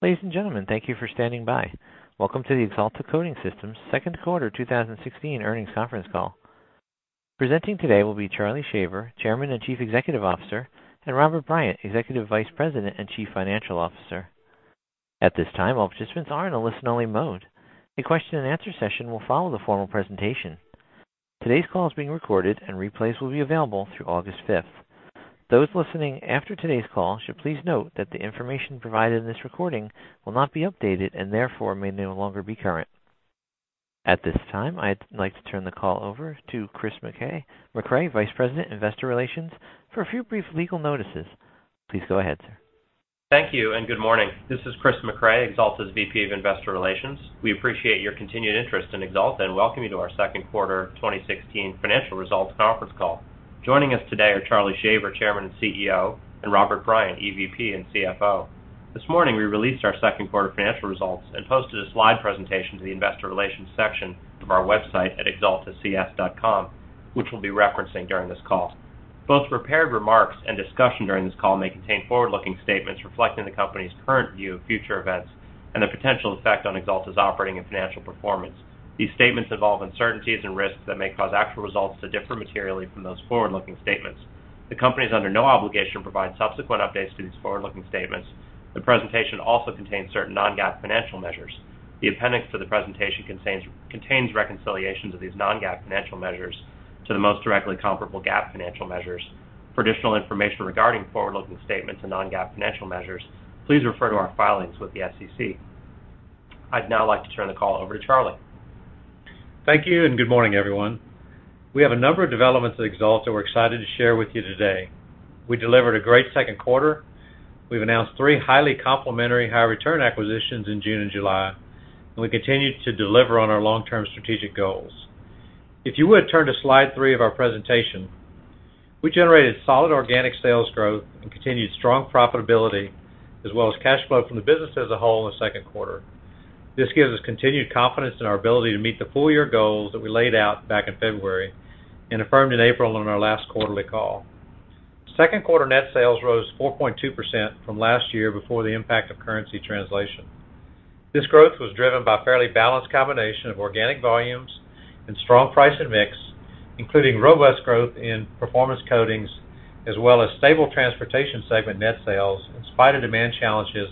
Ladies and gentlemen, thank you for standing by. Welcome to the Axalta Coating Systems second quarter 2016 earnings conference call. Presenting today will be Charlie Shaver, Chairman and Chief Executive Officer, and Robert Bryant, Executive Vice President and Chief Financial Officer. At this time, all participants are in a listen-only mode. A question and answer session will follow the formal presentation. Today's call is being recorded and replays will be available through August 5th. Those listening after today's call should please note that the information provided in this recording will not be updated and therefore may no longer be current. At this time, I'd like to turn the call over to Christopher Mecray, Vice President, Investor Relations, for a few brief legal notices. Please go ahead, sir. Thank you. Good morning. This is Christopher Mecray, Axalta's VP of Investor Relations. We appreciate your continued interest in Axalta and welcome you to our second quarter 2016 financial results conference call. Joining us today are Charlie Shaver, Chairman and CEO, and Robert Bryant, EVP and CFO. This morning, we released our second quarter financial results and posted a slide presentation to the investor relations section of our website at axalta.com, which we'll be referencing during this call. Both prepared remarks and discussion during this call may contain forward-looking statements reflecting the company's current view of future events and the potential effect on Axalta's operating and financial performance. These statements involve uncertainties and risks that may cause actual results to differ materially from those forward-looking statements. The company is under no obligation to provide subsequent updates to these forward-looking statements. The presentation also contains certain non-GAAP financial measures. The appendix to the presentation contains reconciliations of these non-GAAP financial measures to the most directly comparable GAAP financial measures. For additional information regarding forward-looking statements to non-GAAP financial measures, please refer to our filings with the SEC. I'd now like to turn the call over to Charlie. Thank you. Good morning, everyone. We have a number of developments at Axalta we're excited to share with you today. We delivered a great second quarter. We've announced three highly complementary high return acquisitions in June and July. We continue to deliver on our long-term strategic goals. If you would turn to slide three of our presentation. We generated solid organic sales growth and continued strong profitability, as well as cash flow from the business as a whole in the second quarter. This gives us continued confidence in our ability to meet the full-year goals that we laid out back in February and affirmed in April on our last quarterly call. Second quarter net sales rose 4.2% from last year before the impact of currency translation. This growth was driven by a fairly balanced combination of organic volumes and strong price and mix, including robust growth in performance coatings as well as stable transportation segment net sales in spite of demand challenges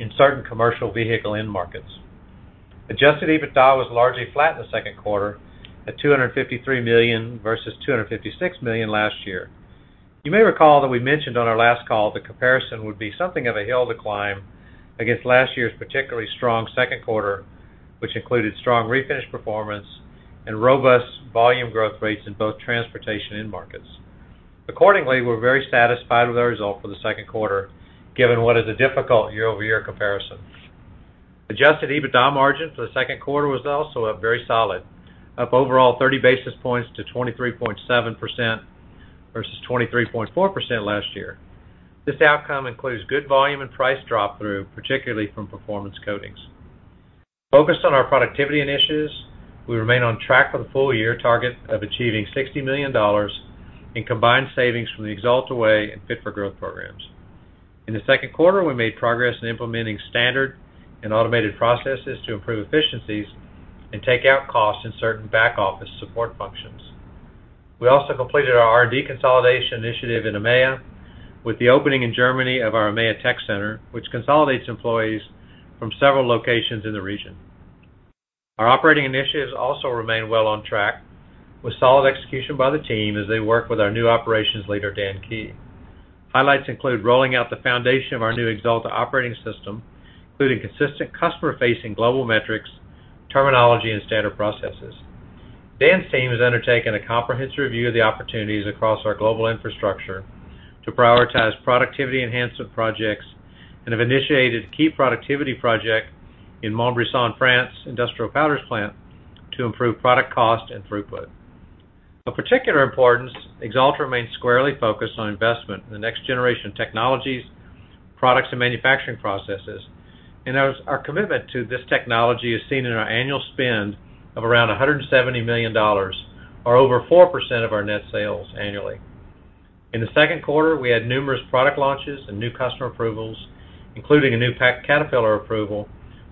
in certain commercial vehicle end markets. Adjusted EBITDA was largely flat in the second quarter at $253 million versus $256 million last year. You may recall that we mentioned on our last call the comparison would be something of a hill to climb against last year's particularly strong second quarter, which included strong refinish performance and robust volume growth rates in both transportation end markets. Accordingly, we're very satisfied with the result for the second quarter, given what is a difficult year-over-year comparison. Adjusted EBITDA margin for the second quarter was also up very solid, up overall 30 basis points to 23.7% versus 23.4% last year. This outcome includes good volume and price drop through, particularly from performance coatings. Focused on our productivity initiatives, we remain on track for the full year target of achieving $60 million in combined savings from the Axalta Way and Fit-for-Growth programs. In the second quarter, we made progress in implementing standard and automated processes to improve efficiencies and take out costs in certain back office support functions. We also completed our R&D consolidation initiative in EMEA with the opening in Germany of our EMEA Tech Center, which consolidates employees from several locations in the region. Our operating initiatives also remain well on track with solid execution by the team as they work with our new operations leader, Dan Key. Highlights include rolling out the foundation of our new Axalta operating system, including consistent customer-facing global metrics, terminology, and standard processes. Dan's team has undertaken a comprehensive review of the opportunities across our global infrastructure to prioritize productivity enhancement projects and have initiated key productivity project in Montbrison, France industrial powders plant to improve product cost and throughput. Of particular importance, Axalta remains squarely focused on investment in the next generation technologies, products, and manufacturing processes, and our commitment to this technology is seen in our annual spend of around $170 million, or over 4% of our net sales annually. In the second quarter, we had numerous product launches and new customer approvals, including a new Caterpillar approval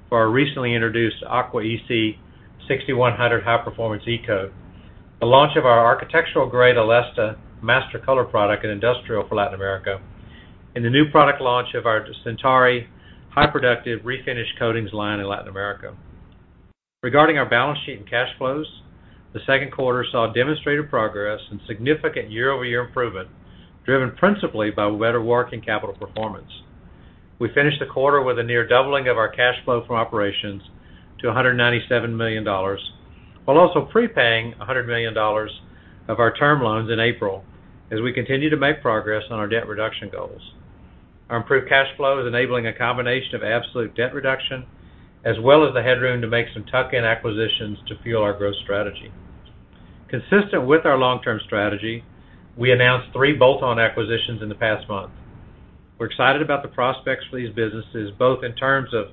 for our recently introduced AquaEC 6100 high performance e-coat. The launch of our architectural grade Alesta master color product in industrial for Latin America, and the new product launch of our Centari high productive refinish coatings line in Latin America. Regarding our balance sheet and cash flows, the second quarter saw demonstrated progress and significant year-over-year improvement, driven principally by better working capital performance. We finished the quarter with a near doubling of our cash flow from operations to $197 million, while also prepaying $100 million of our term loans in April as we continue to make progress on our debt reduction goals. Our improved cash flow is enabling a combination of absolute debt reduction as well as the headroom to make some tuck-in acquisitions to fuel our growth strategy. Consistent with our long-term strategy, we announced three bolt-on acquisitions in the past month. We're excited about the prospects for these businesses, both in terms of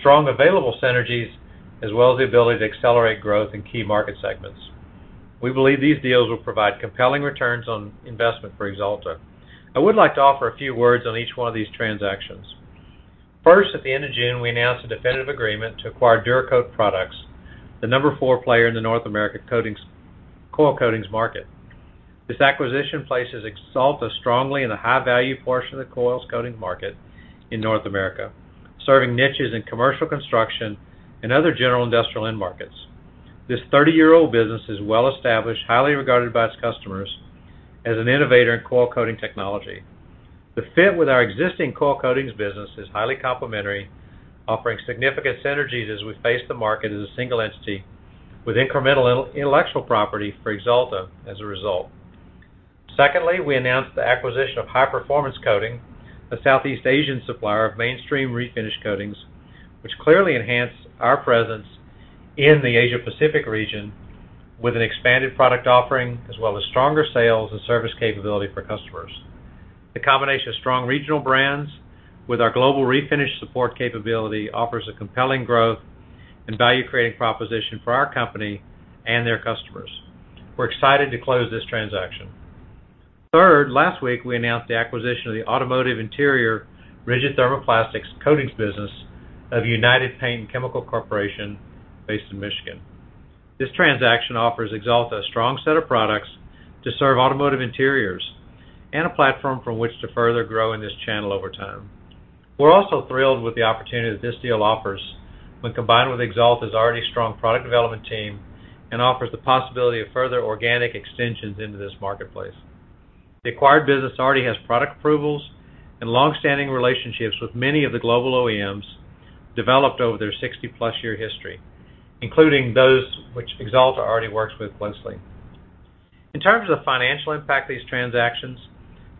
strong available synergies as well as the ability to accelerate growth in key market segments. We believe these deals will provide compelling returns on investment for Axalta. I would like to offer a few words on each one of these transactions. First, at the end of June, we announced a definitive agreement to acquire Dura Coat Products, the number 4 player in the North American coil coatings market. This acquisition places Axalta strongly in the high-value portion of the coil coatings market in North America, serving niches in commercial construction and other general industrial end markets. This 30-year-old business is well-established, highly regarded by its customers as an innovator in coil coating technology. The fit with our existing coil coatings business is highly complementary, offering significant synergies as we face the market as a single entity with incremental intellectual property for Axalta as a result. Secondly, we announced the acquisition of High Performance Coating, a Southeast Asian supplier of mainstream refinish coatings, which clearly enhance our presence in the Asia-Pacific region with an expanded product offering as well as stronger sales and service capability for customers. The combination of strong regional brands with our global refinish support capability offers a compelling growth and value-creating proposition for our company and their customers. We're excited to close this transaction. Third, last week, we announced the acquisition of the automotive interior rigid thermoplastic coatings business of United Paint and Chemical Corporation based in Michigan. This transaction offers Axalta a strong set of products to serve automotive interiors and a platform from which to further grow in this channel over time. We're also thrilled with the opportunity that this deal offers when combined with Axalta's already strong product development team and offers the possibility of further organic extensions into this marketplace. The acquired business already has product approvals and long-standing relationships with many of the global OEMs developed over their 60-plus year history, including those which Axalta already works with closely. In terms of the financial impact of these transactions,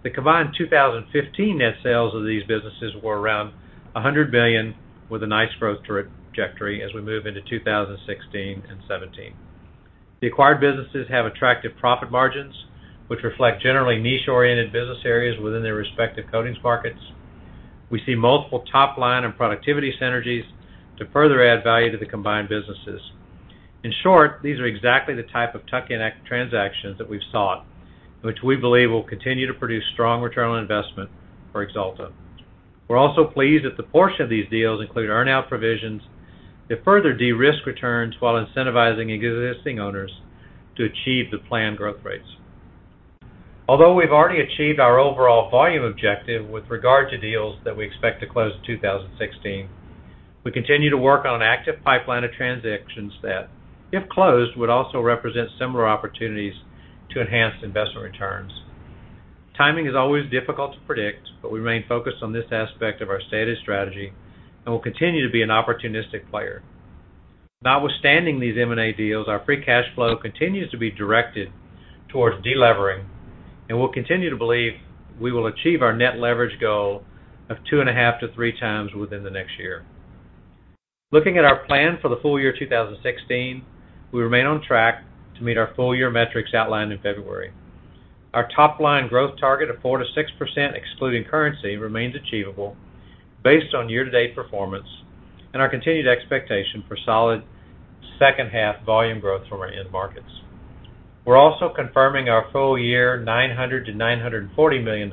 the combined 2015 net sales of these businesses were around $100 million, with a nice growth trajectory as we move into 2016 and 2017. The acquired businesses have attractive profit margins, which reflect generally niche-oriented business areas within their respective coatings markets. We see multiple top-line and productivity synergies to further add value to the combined businesses. In short, these are exactly the type of tuck-in transactions that we've sought, which we believe will continue to produce strong return on investment for Axalta. We're also pleased that the portion of these deals include earn-out provisions that further de-risk returns while incentivizing existing owners to achieve the planned growth rates. Although we've already achieved our overall volume objective with regard to deals that we expect to close in 2016, we continue to work on an active pipeline of transactions that, if closed, would also represent similar opportunities to enhance investment returns. Timing is always difficult to predict, but we remain focused on this aspect of our stated strategy and will continue to be an opportunistic player. Notwithstanding these M&A deals, our free cash flow continues to be directed towards de-levering, we'll continue to believe we will achieve our net leverage goal of 2.5 to 3 times within the next year. Looking at our plan for the full year 2016, we remain on track to meet our full-year metrics outlined in February. Our top-line growth target of 4%-6% excluding currency remains achievable based on year-to-date performance and our continued expectation for solid second half volume growth from our end markets. We're also confirming our full-year $900 million-$940 million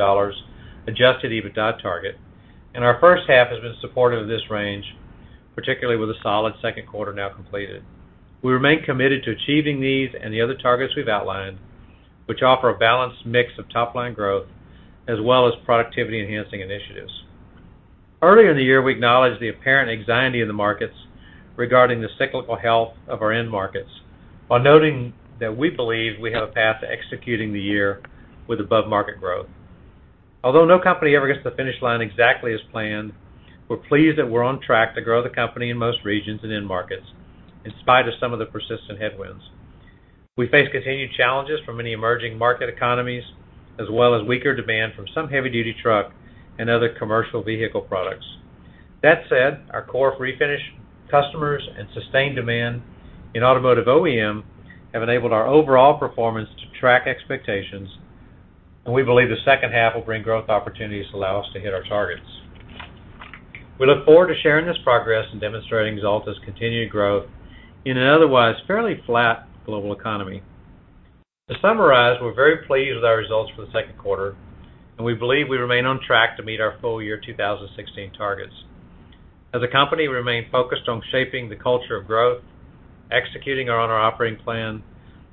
adjusted EBITDA target, our first half has been supportive of this range, particularly with a solid second quarter now completed. We remain committed to achieving these and the other targets we've outlined, which offer a balanced mix of top-line growth as well as productivity-enhancing initiatives. Earlier in the year, we acknowledged the apparent anxiety in the markets regarding the cyclical health of our end markets while noting that we believe we have a path to executing the year with above-market growth. Although no company ever gets to the finish line exactly as planned, we're pleased that we're on track to grow the company in most regions and end markets in spite of some of the persistent headwinds. We face continued challenges from many emerging market economies, as well as weaker demand from some heavy-duty truck and other commercial vehicle products. That said, our core refinish customers and sustained demand in automotive OEM have enabled our overall performance to track expectations, we believe the second half will bring growth opportunities to allow us to hit our targets. We look forward to sharing this progress and demonstrating Axalta's continued growth in an otherwise fairly flat global economy. To summarize, we're very pleased with our results for the second quarter, we believe we remain on track to meet our full-year 2016 targets. As a company, we remain focused on shaping the culture of growth, executing on our operating plan,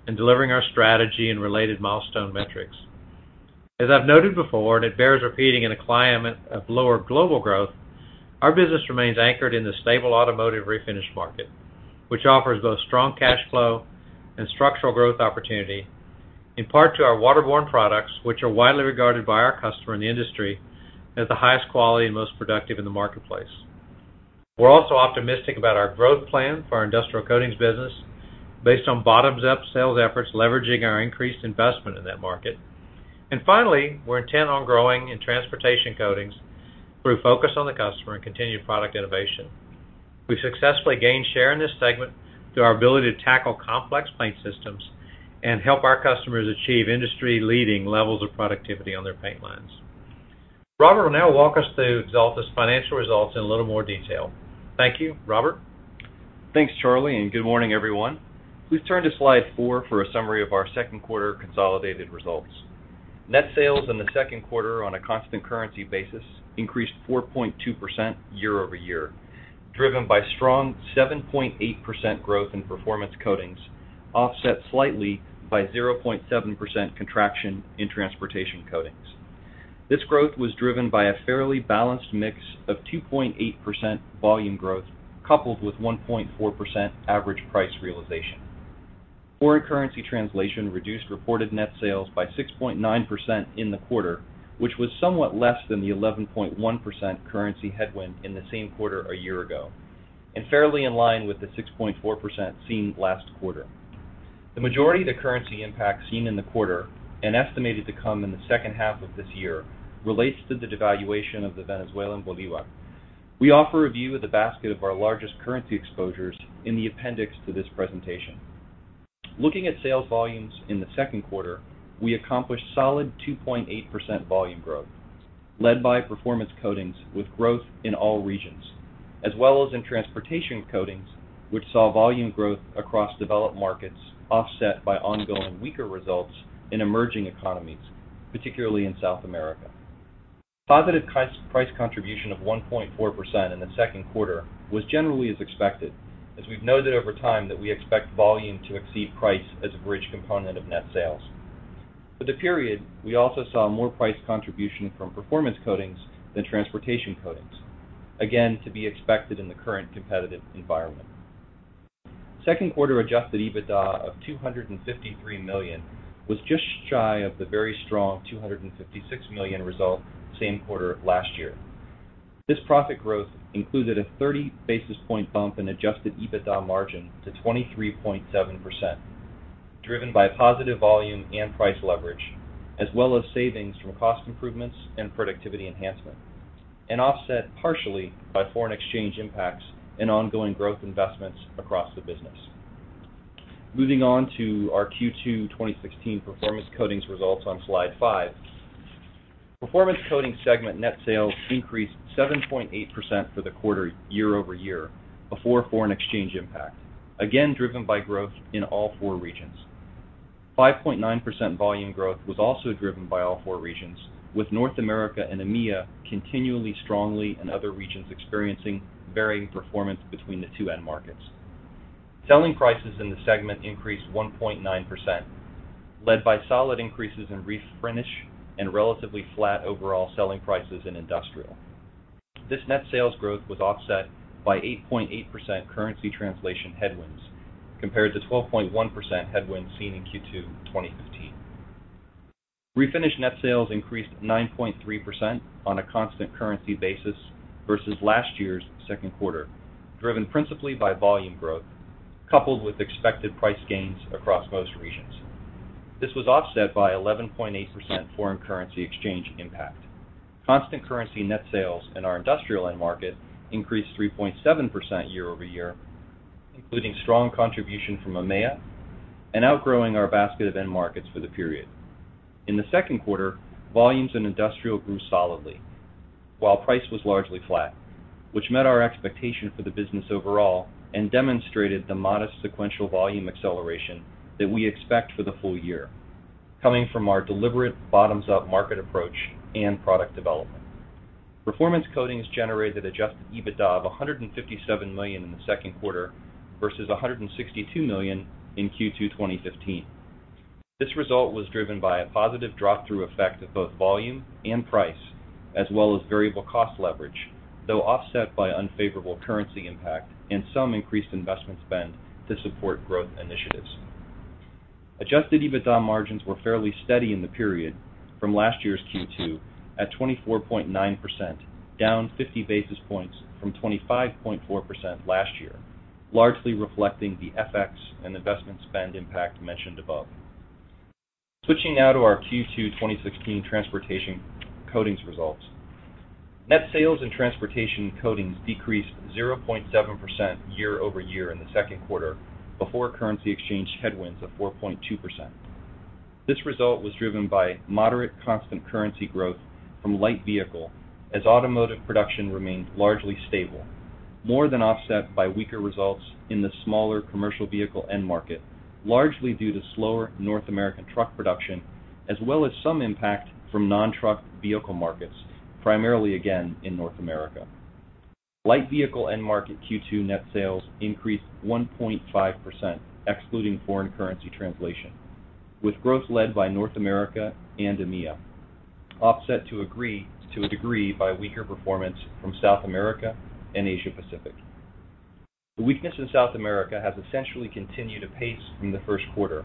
and delivering our strategy and related milestone metrics. As I've noted before, it bears repeating in a climate of lower global growth, our business remains anchored in the stable automotive refinish market, which offers both strong cash flow and structural growth opportunity, in part to our waterborne products, which are widely regarded by our customer and the industry as the highest quality and most productive in the marketplace. We're also optimistic about our growth plan for our industrial coatings business based on bottoms-up sales efforts leveraging our increased investment in that market. Finally, we're intent on growing in transportation coatings through focus on the customer and continued product innovation. We've successfully gained share in this segment through our ability to tackle complex paint systems and help our customers achieve industry-leading levels of productivity on their paint lines. Robert will now walk us through Axalta's financial results in a little more detail. Thank you. Robert? Thanks, Charlie, and good morning, everyone. Please turn to slide four for a summary of our second quarter consolidated results. Net sales in the second quarter on a constant currency basis increased 4.2% year-over-year, driven by strong 7.8% growth in performance coatings, offset slightly by 0.7% contraction in transportation coatings. This growth was driven by a fairly balanced mix of 2.8% volume growth, coupled with 1.4% average price realization. Foreign currency translation reduced reported net sales by 6.9% in the quarter, which was somewhat less than the 11.1% currency headwind in the same quarter a year ago, and fairly in line with the 6.4% seen last quarter. The majority of the currency impact seen in the quarter, and estimated to come in the second half of this year, relates to the devaluation of the Venezuelan bolívar. We offer a view of the basket of our largest currency exposures in the appendix to this presentation. Looking at sales volumes in the second quarter, we accomplished solid 2.8% volume growth, led by performance coatings with growth in all regions, as well as in transportation coatings, which saw volume growth across developed markets offset by ongoing weaker results in emerging economies, particularly in South America. Positive price contribution of 1.4% in the second quarter was generally as expected, as we've noted over time that we expect volume to exceed price as a bridge component of net sales. For the period, we also saw more price contribution from performance coatings than transportation coatings, again to be expected in the current competitive environment. Second quarter adjusted EBITDA of $253 million was just shy of the very strong $256 million result same quarter last year. This profit growth included a 30 basis point bump in adjusted EBITDA margin to 23.7%, driven by positive volume and price leverage, as well as savings from cost improvements and productivity enhancement. Offset partially by foreign exchange impacts and ongoing growth investments across the business. Moving on to our Q2 2016 performance coatings results on slide five. Performance coatings segment net sales increased 7.8% for the quarter year-over-year before foreign exchange impact, again driven by growth in all four regions. 5.9% volume growth was also driven by all four regions, with North America and EMEA continually strongly, and other regions experiencing varying performance between the two end markets. Selling prices in the segment increased 1.9%, led by solid increases in refinish and relatively flat overall selling prices in industrial. This net sales growth was offset by 8.8% currency translation headwinds compared to 12.1% headwinds seen in Q2 2015. Refinish net sales increased 9.3% on a constant currency basis versus last year's second quarter, driven principally by volume growth, coupled with expected price gains across most regions. This was offset by 11.8% foreign currency exchange impact. Constant currency net sales in our industrial end market increased 3.7% year-over-year, including strong contribution from EMEA and outgrowing our basket of end markets for the period. In the second quarter, volumes in industrial grew solidly, while price was largely flat, which met our expectation for the business overall and demonstrated the modest sequential volume acceleration that we expect for the full year coming from our deliberate bottoms-up market approach and product development. Performance coatings generated adjusted EBITDA of $157 million in the second quarter versus $162 million in Q2 2015. This result was driven by a positive drop-through effect of both volume and price, as well as variable cost leverage, though offset by unfavorable currency impact and some increased investment spend to support growth initiatives. Adjusted EBITDA margins were fairly steady in the period from last year's Q2 at 24.9%, down 50 basis points from 25.4% last year, largely reflecting the FX and investment spend impact mentioned above. Switching now to our Q2 2016 transportation coatings results. Net sales in transportation coatings decreased 0.7% year-over-year in the second quarter before currency exchange headwinds of 4.2%. This result was driven by moderate constant currency growth from light vehicle, as automotive production remained largely stable, more than offset by weaker results in the smaller commercial vehicle end market, largely due to slower North American truck production, as well as some impact from non-truck vehicle markets, primarily, again, in North America. Light vehicle end market Q2 net sales increased 1.5%, excluding foreign currency translation, with growth led by North America and EMEA, offset to a degree by weaker performance from South America and Asia-Pacific. The weakness in South America has essentially continued apace from the first quarter,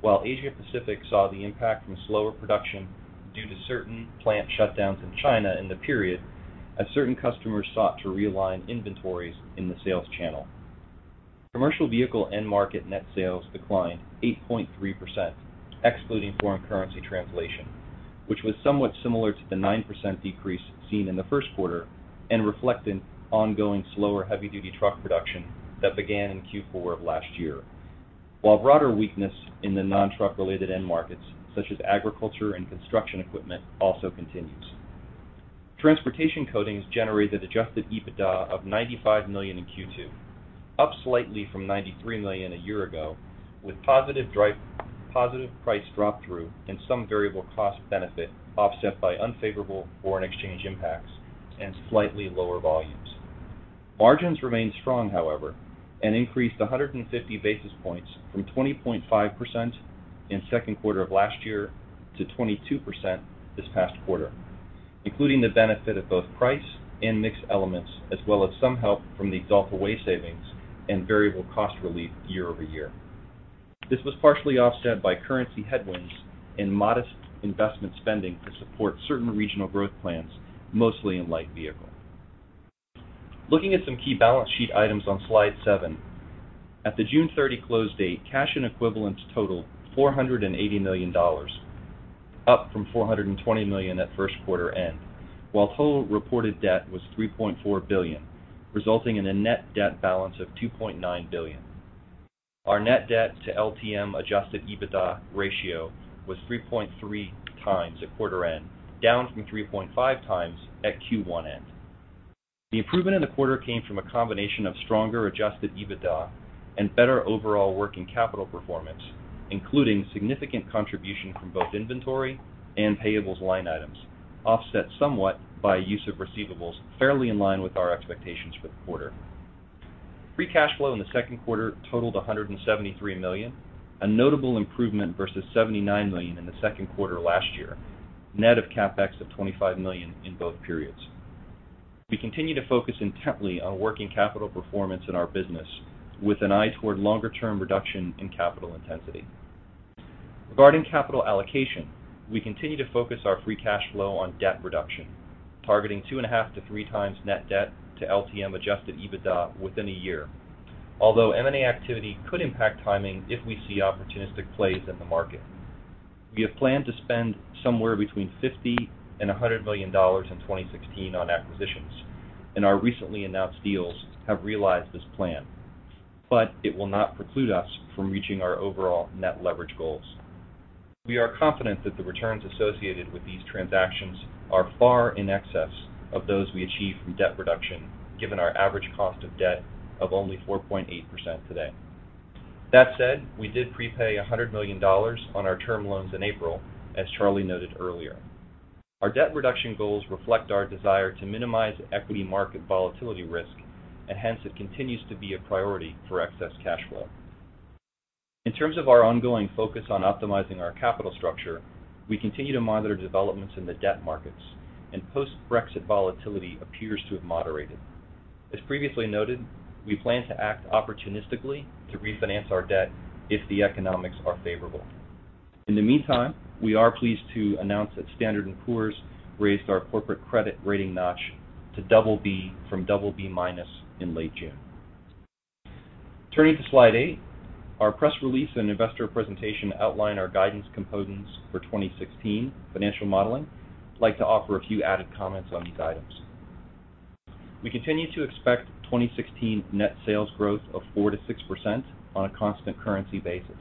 while Asia-Pacific saw the impact from slower production due to certain plant shutdowns in China in the period, as certain customers sought to realign inventories in the sales channel. Commercial vehicle end market net sales declined 8.3%, excluding foreign currency translation, which was somewhat similar to the 9% decrease seen in the first quarter and reflecting ongoing slower heavy-duty truck production that began in Q4 of last year. While broader weakness in the non-truck related end markets, such as agriculture and construction equipment, also continues. Transportation coatings generated adjusted EBITDA of $95 million in Q2, up slightly from $93 million a year ago, with positive price drop-through and some variable cost benefit offset by unfavorable foreign exchange impacts and slightly lower volumes. Margins remain strong, however, and increased 150 basis points from 20.5% in second quarter of last year to 22% this past quarter, including the benefit of both price and mix elements, as well as some help from the Axalta Way savings and variable cost relief year-over-year. This was partially offset by currency headwinds and modest investment spending to support certain regional growth plans, mostly in light vehicle. Looking at some key balance sheet items on slide seven. At the June 30 close date, cash and equivalents totaled $480 million, up from $420 million at first quarter end. While total reported debt was $3.4 billion, resulting in a net debt balance of $2.9 billion. Our net debt to LTM adjusted EBITDA ratio was 3.3 times at quarter end, down from 3.5 times at Q1 end. The improvement in the quarter came from a combination of stronger adjusted EBITDA and better overall working capital performance, including significant contribution from both inventory and payables line items, offset somewhat by use of receivables fairly in line with our expectations for the quarter. Free cash flow in the second quarter totaled $173 million, a notable improvement versus $79 million in the second quarter last year. Net of CapEx of $25 million in both periods. We continue to focus intently on working capital performance in our business with an eye toward longer-term reduction in capital intensity. Regarding capital allocation, we continue to focus our free cash flow on debt reduction, targeting two and a half to three times net debt to LTM adjusted EBITDA within a year. M&A activity could impact timing if we see opportunistic plays in the market. We have planned to spend somewhere between $50 million and $100 million in 2016 on acquisitions, and our recently announced deals have realized this plan. It will not preclude us from reaching our overall net leverage goals. We are confident that the returns associated with these transactions are far in excess of those we achieve from debt reduction, given our average cost of debt of only 4.8% today. That said, we did prepay $100 million on our term loans in April, as Charlie noted earlier. Our debt reduction goals reflect our desire to minimize equity market volatility risk, hence it continues to be a priority for excess cash flow. In terms of our ongoing focus on optimizing our capital structure, we continue to monitor developments in the debt markets, and post-Brexit volatility appears to have moderated. As previously noted, we plan to act opportunistically to refinance our debt if the economics are favorable. In the meantime, we are pleased to announce that Standard & Poor's raised our corporate credit rating notch to double B from double B minus in late June. Turning to slide eight, our press release and investor presentation outline our guidance components for 2016 financial modeling. I'd like to offer a few added comments on these items. We continue to expect 2016 net sales growth of 4%-6% on a constant currency basis.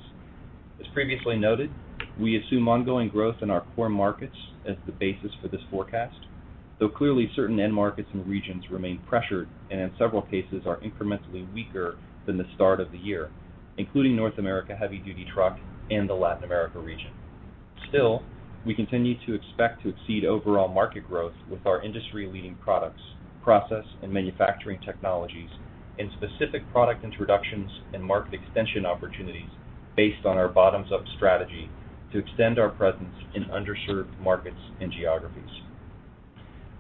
As previously noted, we assume ongoing growth in our core markets as the basis for this forecast, though clearly certain end markets and regions remain pressured and in several cases are incrementally weaker than the start of the year, including North America Heavy Duty Truck and the Latin America region. Still, we continue to expect to exceed overall market growth with our industry-leading products, process, and manufacturing technologies, and specific product introductions and market extension opportunities based on our bottoms-up strategy to extend our presence in underserved markets and geographies.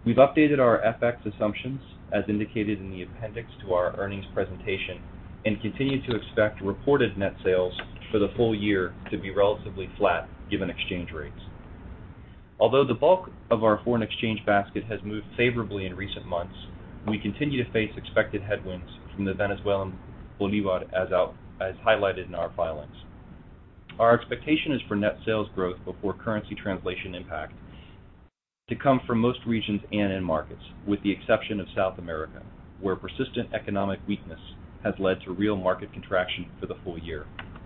We've updated our FX assumptions as indicated in the appendix to our earnings presentation and continue to expect reported net sales for the full year to be relatively flat given exchange rates. Although the bulk of our foreign exchange basket has moved favorably in recent months, we continue to face expected headwinds from the Venezuelan bolívar as highlighted in our filings. Our expectation is for net sales growth before currency translation impact to come from most regions and end markets, with the exception of South America, where persistent economic weakness has led to real market contraction for the full year,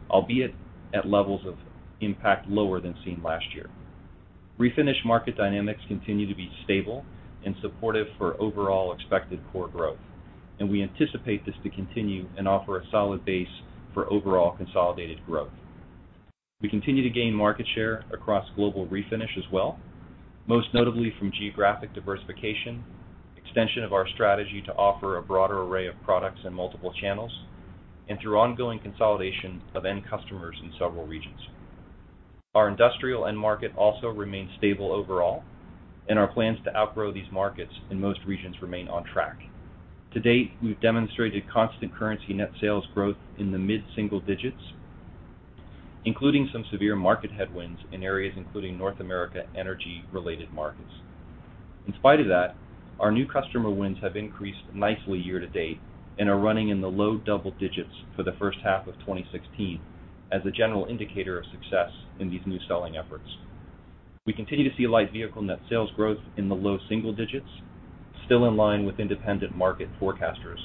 albeit at levels of impact lower than seen last year. Refinish market dynamics continue to be stable and supportive for overall expected core growth. We anticipate this to continue and offer a solid base for overall consolidated growth. We continue to gain market share across global refinish as well, most notably from geographic diversification, extension of our strategy to offer a broader array of products in multiple channels, and through ongoing consolidation of end customers in several regions. Our industrial end market also remains stable overall, our plans to outgrow these markets in most regions remain on track. To date, we've demonstrated constant currency net sales growth in the mid-single digits, including some severe market headwinds in areas including North America energy-related markets. In spite of that, our new customer wins have increased nicely year to date and are running in the low double digits for the first half of 2016 as a general indicator of success in these new selling efforts. We continue to see light vehicle net sales growth in the low single digits, still in line with independent market forecasters,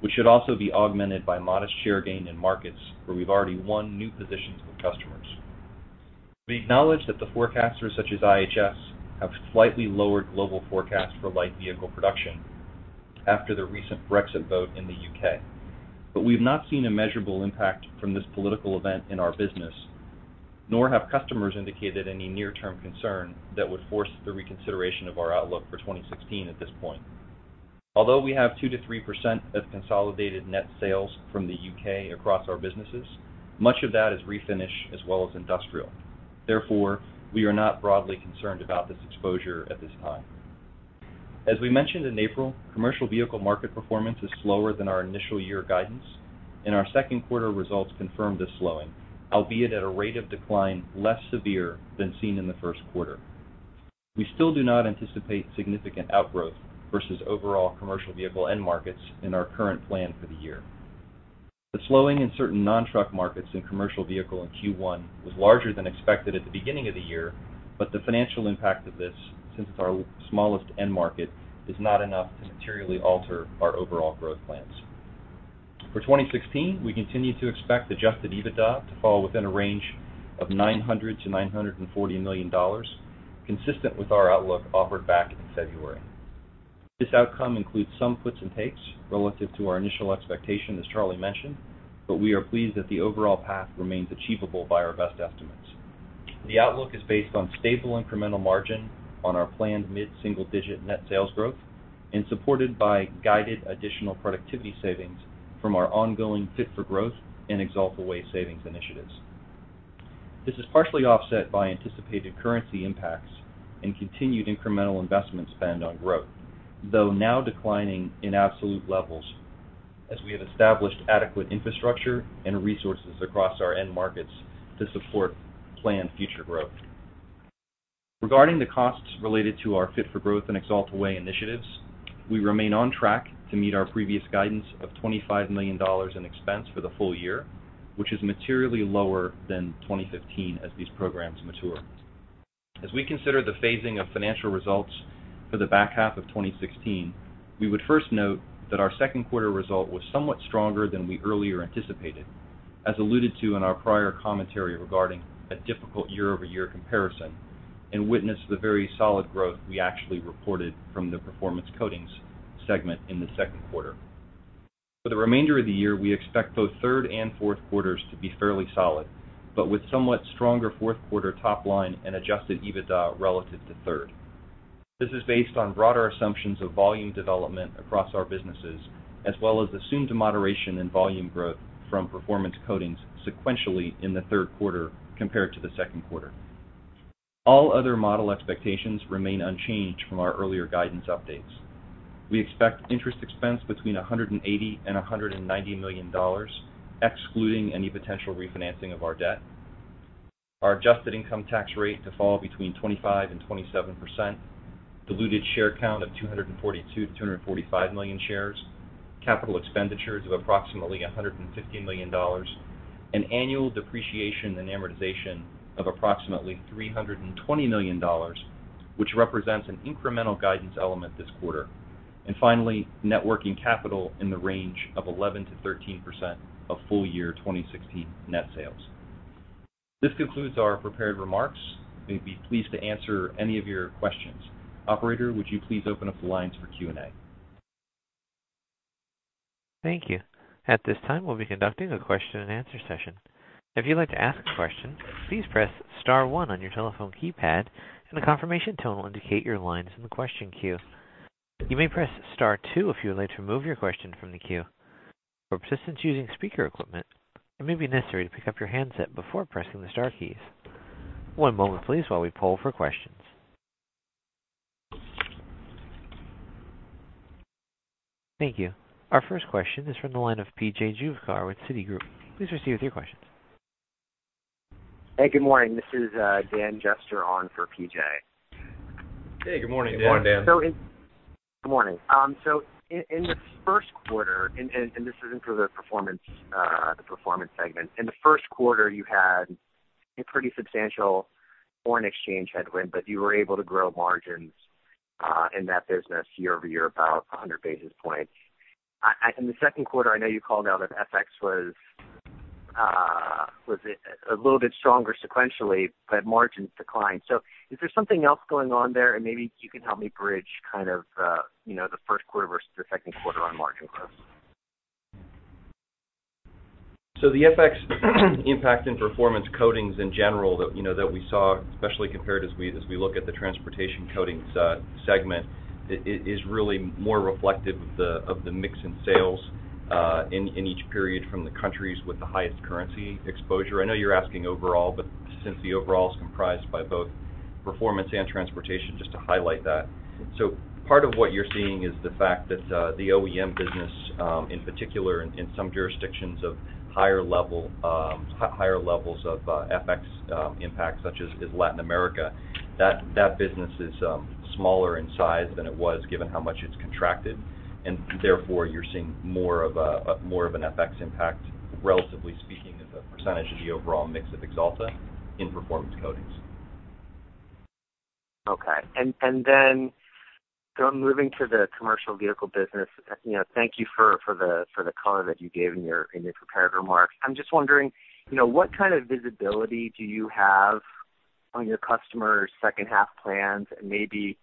which should also be augmented by modest share gain in markets where we've already won new positions with customers. We acknowledge that the forecasters such as IHS have slightly lowered global forecasts for light vehicle production after the recent Brexit vote in the U.K. We've not seen a measurable impact from this political event in our business, nor have customers indicated any near-term concern that would force the reconsideration of our outlook for 2016 at this point. Although we have 2%-3% of consolidated net sales from the U.K. across our businesses, much of that is refinish as well as industrial. Therefore, we are not broadly concerned about this exposure at this time. As we mentioned in April, commercial vehicle market performance is slower than our initial year guidance, our second quarter results confirm this slowing, albeit at a rate of decline less severe than seen in the first quarter. We still do not anticipate significant outgrowth versus overall commercial vehicle end markets in our current plan for the year. The slowing in certain non-truck markets in commercial vehicle in Q1 was larger than expected at the beginning of the year, the financial impact of this, since it's our smallest end market, is not enough to materially alter our overall growth plans. For 2016, we continue to expect adjusted EBITDA to fall within a range of $900 million-$940 million, consistent with our outlook offered back in February. This outcome includes some puts and takes relative to our initial expectation, as Charlie mentioned, we are pleased that the overall path remains achievable by our best estimates. The outlook is based on stable incremental margin on our planned mid-single-digit net sales growth and supported by guided additional productivity savings from our ongoing Fit-for-Growth and Axalta Way savings initiatives. This is partially offset by anticipated currency impacts and continued incremental investment spend on growth, though now declining in absolute levels as we have established adequate infrastructure and resources across our end markets to support planned future growth. Regarding the costs related to our Fit-for-Growth and Axalta Way initiatives, we remain on track to meet our previous guidance of $25 million in expense for the full year, which is materially lower than 2015 as these programs mature. As we consider the phasing of financial results for the back half of 2016, we would first note that our second quarter result was somewhat stronger than we earlier anticipated, as alluded to in our prior commentary regarding a difficult year-over-year comparison and witness the very solid growth we actually reported from the Performance Coatings segment in the second quarter. For the remainder of the year, we expect both third and fourth quarters to be fairly solid, but with somewhat stronger fourth quarter top line and adjusted EBITDA relative to third. This is based on broader assumptions of volume development across our businesses, as well as the assumed moderation in volume growth from Performance Coatings sequentially in the third quarter compared to the second quarter. All other model expectations remain unchanged from our earlier guidance updates. We expect interest expense between $180 million and $190 million, excluding any potential refinancing of our debt. Our adjusted income tax rate to fall between 25% and 27%, diluted share count of 242 million-245 million shares, capital expenditures of approximately $150 million, and annual depreciation and amortization of approximately $320 million, which represents an incremental guidance element this quarter. Finally, net working capital in the range of 11%-13% of full-year 2016 net sales. This concludes our prepared remarks. We'd be pleased to answer any of your questions. Operator, would you please open up the lines for Q&A? Thank you. At this time, we'll be conducting a question and answer session. If you'd like to ask a question, please press *1 on your telephone keypad, and a confirmation tone will indicate your line's in the question queue. You may press *2 if you would like to remove your question from the queue. For participants using speaker equipment, it may be necessary to pick up your handset before pressing the star keys. One moment, please, while we poll for questions. Thank you. Our first question is from the line of P.J. Juvekar with Citigroup. Please proceed with your questions. Hey, good morning. This is Dan Jester on for P.J. Hey, good morning, Dan. Good morning, Dan. Good morning. In the first quarter, and this isn't for the Performance segment. In the first quarter, you had a pretty substantial foreign exchange headwind, but you were able to grow margins in that business year-over-year about 100 basis points. In the second quarter, I know you called out that FX was a little bit stronger sequentially, but margins declined. Is there something else going on there? Maybe you can help me bridge the first quarter versus the second quarter on margin growth. The FX impact in Performance Coatings in general that we saw, especially compared as we look at the Transportation Coatings segment, is really more reflective of the mix in sales in each period from the countries with the highest currency exposure. I know you're asking overall, but since the overall is comprised by both Performance and Transportation, just to highlight that. Part of what you're seeing is the fact that the OEM business, in particular in some jurisdictions of higher levels of FX impact, such as Latin America, that business is smaller in size than it was given how much it's contracted, and therefore you're seeing more of an FX impact, relatively speaking, as a percentage of the overall mix of Axalta in Performance Coatings. Okay. Moving to the commercial vehicle business, thank you for the color that you gave in your prepared remarks. I am just wondering, what kind of visibility do you have on your customers' second half plans, maybe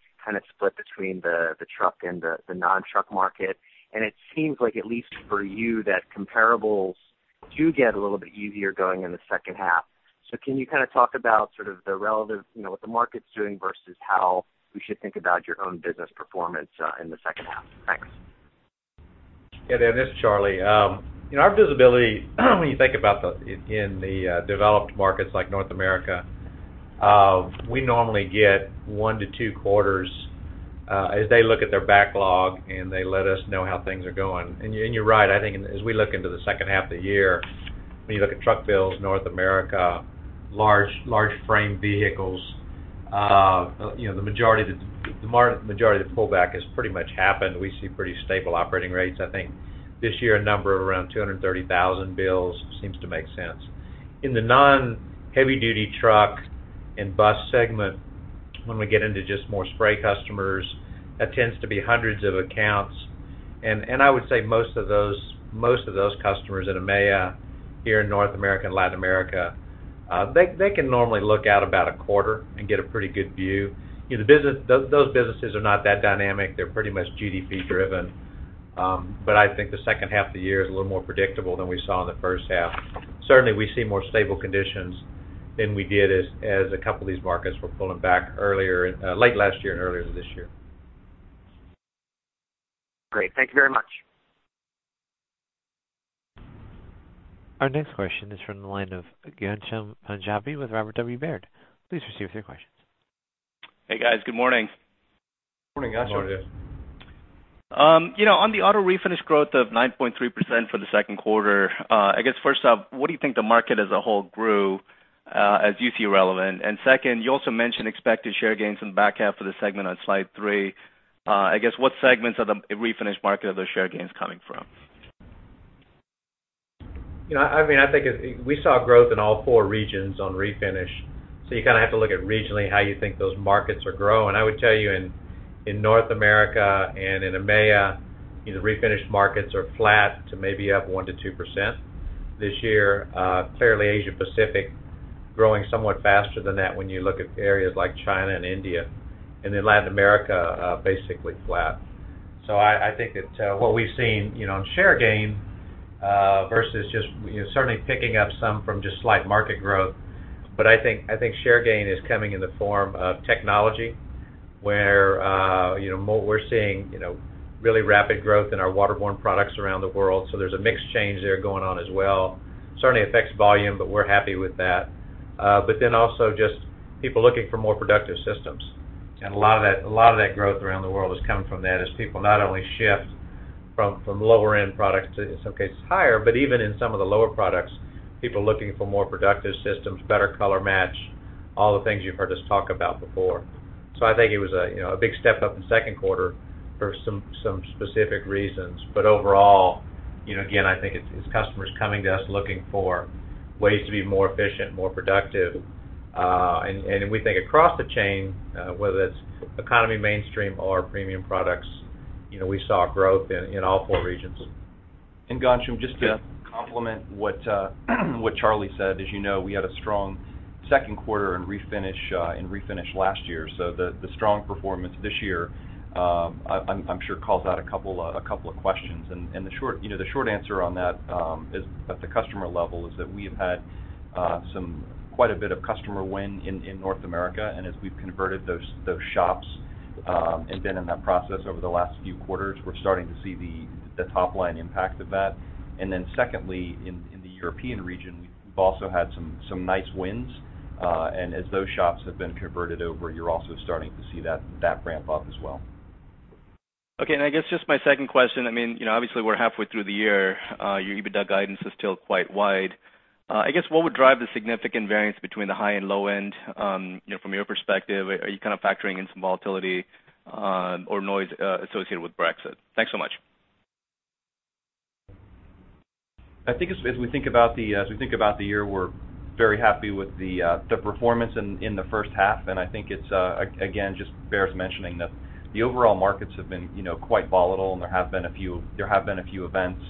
split between the truck and the non-truck market? It seems like, at least for you, that comparables do get a little bit easier going in the second half. Can you talk about the relative, what the market is doing versus how we should think about your own business performance in the second half? Thanks. Yeah, Dan, this is Charlie. Our visibility, when you think about in the developed markets like North America, we normally get one to two quarters, as they look at their backlog, and they let us know how things are going. You are right. I think as we look into the second half of the year, when you look at truck builds, North America, large-frame vehicles, the majority of the pullback has pretty much happened. We see pretty stable operating rates. I think this year, a number of around 230,000 builds seems to make sense. In the non-heavy-duty truck and bus segment, when we get into just more spray customers, that tends to be hundreds of accounts. I would say most of those customers in EMEA, here in North America and Latin America, they can normally look out about a quarter and get a pretty good view. Those businesses are not that dynamic. They are pretty much GDP-driven. I think the second half of the year is a little more predictable than we saw in the first half. Certainly, we see more stable conditions than we did as a couple of these markets were pulling back late last year and earlier this year. Great. Thank you very much. Our next question is from the line of Ghansham Panjabi with Robert W. Baird. Please proceed with your questions. Hey, guys. Good morning. Morning, Ghansham. Morning. On the auto refinish growth of 9.3% for the second quarter, I guess first off, what do you think the market as a whole grew, as you see relevant? Second, you also mentioned expected share gains in the back half of the segment on slide three. I guess, what segments of the refinish market are those share gains coming from? I think we saw growth in all four regions on refinish. You kind of have to look at regionally how you think those markets are growing. I would tell you in North America and in EMEA, the refinish markets are flat to maybe up 1%-2% this year. Clearly Asia Pacific growing somewhat faster than that when you look at areas like China and India. Latin America, basically flat. I think that what we've seen on share gain versus just certainly picking up some from just slight market growth, but I think share gain is coming in the form of technology, where we're seeing really rapid growth in our waterborne products around the world. There's a mix change there going on as well. Certainly affects volume, but we're happy with that. Also just people looking for more productive systems. A lot of that growth around the world is coming from that as people not only shift from lower-end products to, in some cases, higher, but even in some of the lower products, people are looking for more productive systems, better color match, all the things you've heard us talk about before. I think it was a big step up in the second quarter for some specific reasons. Overall, again, I think it's customers coming to us looking for ways to be more efficient, more productive. We think across the chain, whether it's economy mainstream or premium products, we saw growth in all four regions. Ghansham, just to complement what Charlie said, as you know, we had a strong second quarter in refinish last year. The strong performance this year, I'm sure calls out a couple of questions. The short answer on that at the customer level is that we have had quite a bit of customer win in North America. As we've converted those shops and been in that process over the last few quarters, we're starting to see the top-line impact of that. Secondly, in the European region, we've also had some nice wins. As those shops have been converted over, you're also starting to see that ramp up as well. Okay. I guess just my second question, obviously we're halfway through the year. Your EBITDA guidance is still quite wide. I guess, what would drive the significant variance between the high and low end from your perspective? Are you kind of factoring in some volatility or noise associated with Brexit? Thanks so much. I think as we think about the year, we're very happy with the performance in the first half, and I think it, again, just bears mentioning that the overall markets have been quite volatile, and there have been a few events.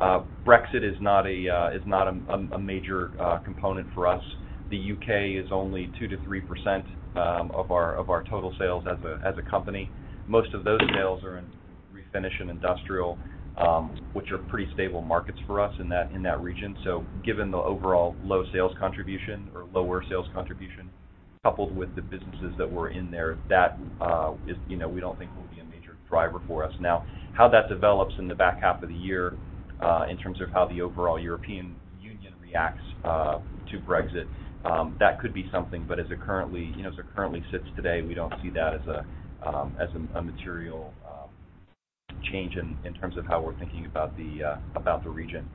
Brexit is not a major component for us. The U.K. is only 2%-3% of our total sales as a company. Most of those sales are in refinish and industrial, which are pretty stable markets for us in that region. Given the overall low sales contribution or lower sales contribution, coupled with the businesses that were in there, that we don't think will be a major driver for us. Now, how that develops in the back half of the year, in terms of how the overall European Union reacts to Brexit, that could be something. As it currently sits today, we don't see that as a material change in terms of how we're thinking about the region.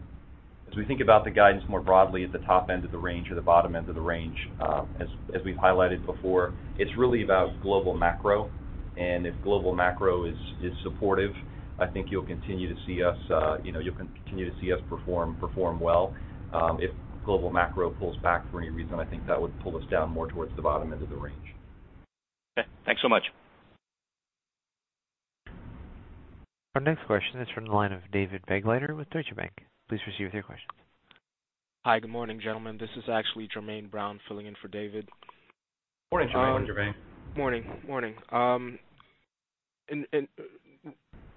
As we think about the guidance more broadly at the top end of the range or the bottom end of the range, as we've highlighted before, it's really about global macro If global macro is supportive, I think you'll continue to see us perform well. If global macro pulls back for any reason, I think that would pull us down more towards the bottom end of the range. Okay, thanks so much. Our next question is from the line of David Begleiter with Deutsche Bank. Please proceed with your questions. Hi. Good morning, gentlemen. This is actually Jermaine Brown filling in for David. Morning, Jermaine. Morning, Jermaine. Morning.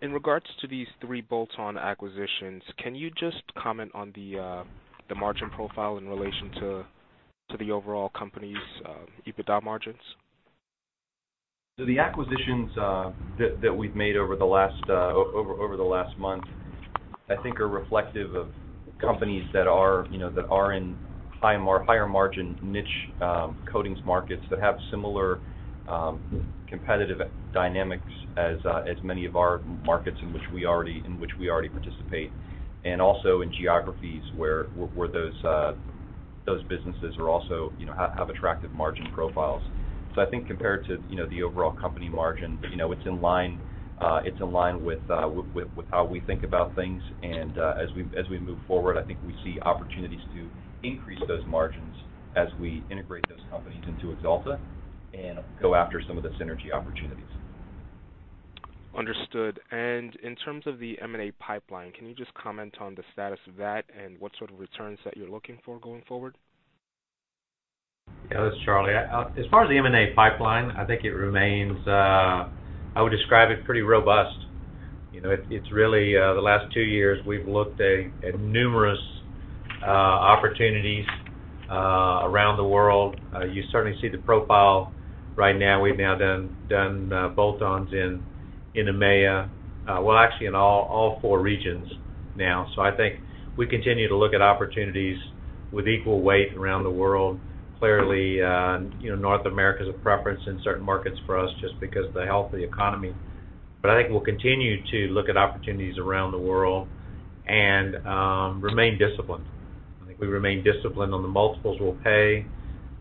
In regards to these three bolt-on acquisitions, can you just comment on the margin profile in relation to the overall company's EBITDA margins? The acquisitions that we've made over the last month, I think are reflective of companies that are in higher margin niche coatings markets that have similar competitive dynamics as many of our markets in which we already participate. Also in geographies where those businesses have attractive margin profiles. I think compared to the overall company margin, it's in line with how we think about things. As we move forward, I think we see opportunities to increase those margins as we integrate those companies into Axalta and go after some of the synergy opportunities. Understood. In terms of the M&A pipeline, can you just comment on the status of that and what sort of returns that you're looking for going forward? Yeah, this is Charlie. As far as the M&A pipeline, I think it remains, I would describe it, pretty robust. The last two years, we've looked at numerous opportunities around the world. You certainly see the profile right now. We've now done bolt-ons in EMEA. Well, actually in all four regions now. I think we continue to look at opportunities with equal weight around the world. Clearly, North America's a preference in certain markets for us just because of the healthy economy. I think we'll continue to look at opportunities around the world and remain disciplined. I think we remain disciplined on the multiples we'll pay.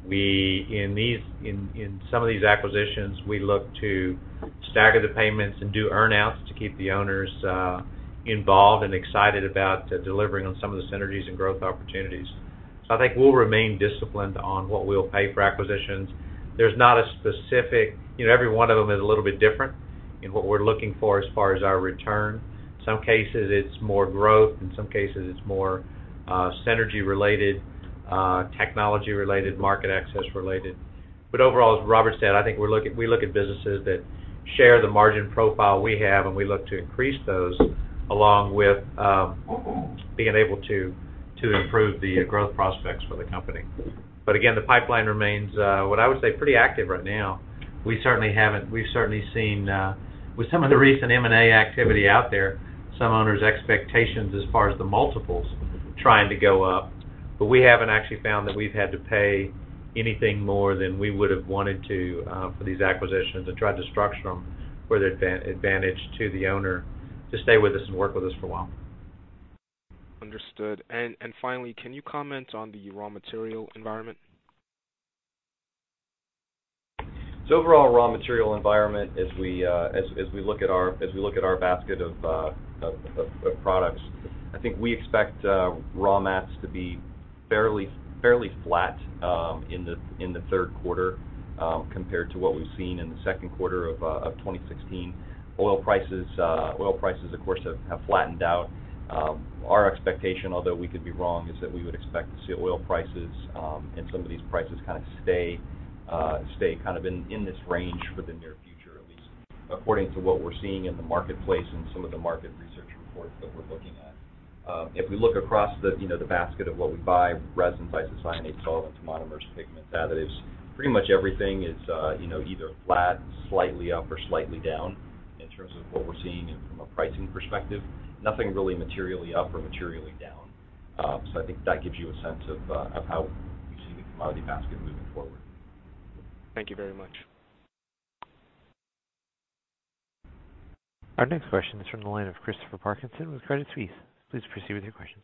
In some of these acquisitions, we look to stagger the payments and do earn-outs to keep the owners involved and excited about delivering on some of the synergies and growth opportunities. I think we'll remain disciplined on what we'll pay for acquisitions. Every one of them is a little bit different in what we're looking for as far as our return. Some cases, it's more growth. In some cases, it's more synergy related, technology related, market access related. Overall, as Robert said, I think we look at businesses that share the margin profile we have, and we look to increase those along with being able to improve the growth prospects for the company. Again, the pipeline remains, what I would say, pretty active right now. With some of the recent M&A activity out there, some owners' expectations as far as the multiples trying to go up. We haven't actually found that we've had to pay anything more than we would've wanted to for these acquisitions, and tried to structure them for the advantage to the owner to stay with us and work with us for a while. Understood. Finally, can you comment on the raw material environment? Overall raw material environment as we look at our basket of products, I think we expect raw mats to be fairly flat in the third quarter, compared to what we've seen in the second quarter of 2016. Oil prices, of course, have flattened out. Our expectation, although we could be wrong, is that we would expect to see oil prices, and some of these prices kind of stay in this range for the near future, at least according to what we're seeing in the marketplace and some of the market research reports that we're looking at. If we look across the basket of what we buy, resins, isocyanates, solvents, monomers, pigments, additives. Pretty much everything is either flat, slightly up, or slightly down in terms of what we're seeing and from a pricing perspective. Nothing really materially up or materially down. I think that gives you a sense of how we see the commodity basket moving forward. Thank you very much. Our next question is from the line of Christopher Parkinson with Credit Suisse. Please proceed with your questions.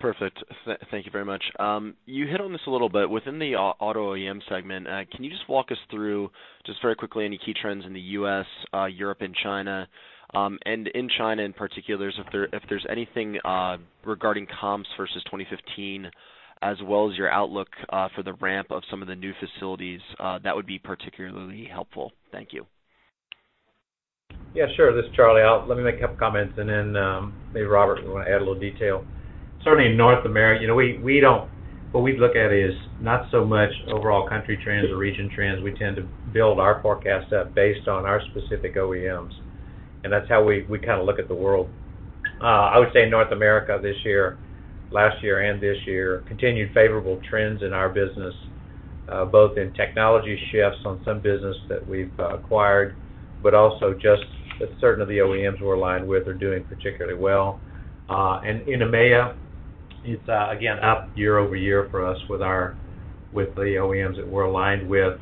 Perfect. Thank you very much. You hit on this a little bit. Within the auto OEM segment, can you just walk us through, just very quickly, any key trends in the U.S., Europe, and China? In China, in particular, if there's anything regarding comps versus 2015, as well as your outlook for the ramp of some of the new facilities, that would be particularly helpful. Thank you. Yeah, sure. This is Charlie. Let me make a couple comments and then, maybe Robert will want to add a little detail. Certainly in North America, what we look at is not so much overall country trends or region trends. We tend to build our forecast up based on our specific OEMs, and that's how we kind of look at the world. I would say North America this year, last year and this year, continued favorable trends in our business, both in technology shifts on some business that we've acquired, but also just that certain of the OEMs we're aligned with are doing particularly well. In EMEA, it's again, up year-over-year for us with the OEMs that we're aligned with.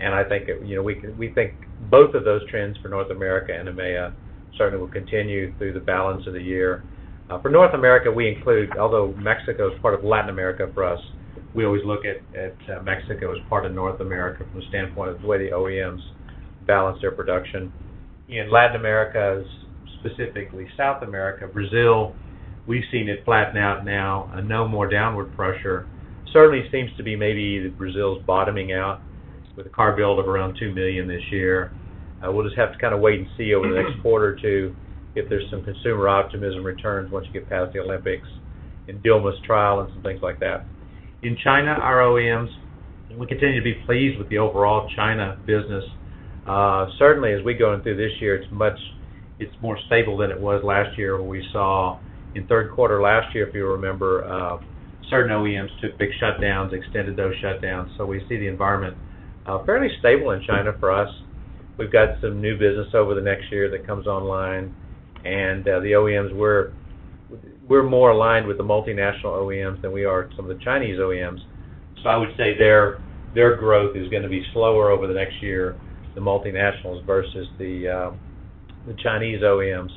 We think both of those trends for North America and EMEA certainly will continue through the balance of the year. For North America, we include, although Mexico is part of Latin America for us. We always look at Mexico as part of North America from the standpoint of the way the OEMs balance their production. In Latin America, specifically South America, Brazil, we've seen it flatten out now, no more downward pressure. Certainly seems to be maybe Brazil's bottoming out with a car build of around 2 million this year. We'll just have to kind of wait and see over the next quarter or two if there's some consumer optimism returns once you get past the Olympics and Dilma's trial and some things like that. In China, our OEMs, we continue to be pleased with the overall China business. Certainly, as we go through this year, it's more stable than it was last year where we saw in third quarter last year, if you remember, certain OEMs took big shutdowns, extended those shutdowns. We see the environment fairly stable in China for us. We've got some new business over the next year that comes online. The OEMs, we're more aligned with the multinational OEMs than we are some of the Chinese OEMs. I would say their growth is going to be slower over the next year, the multinationals versus the Chinese OEMs.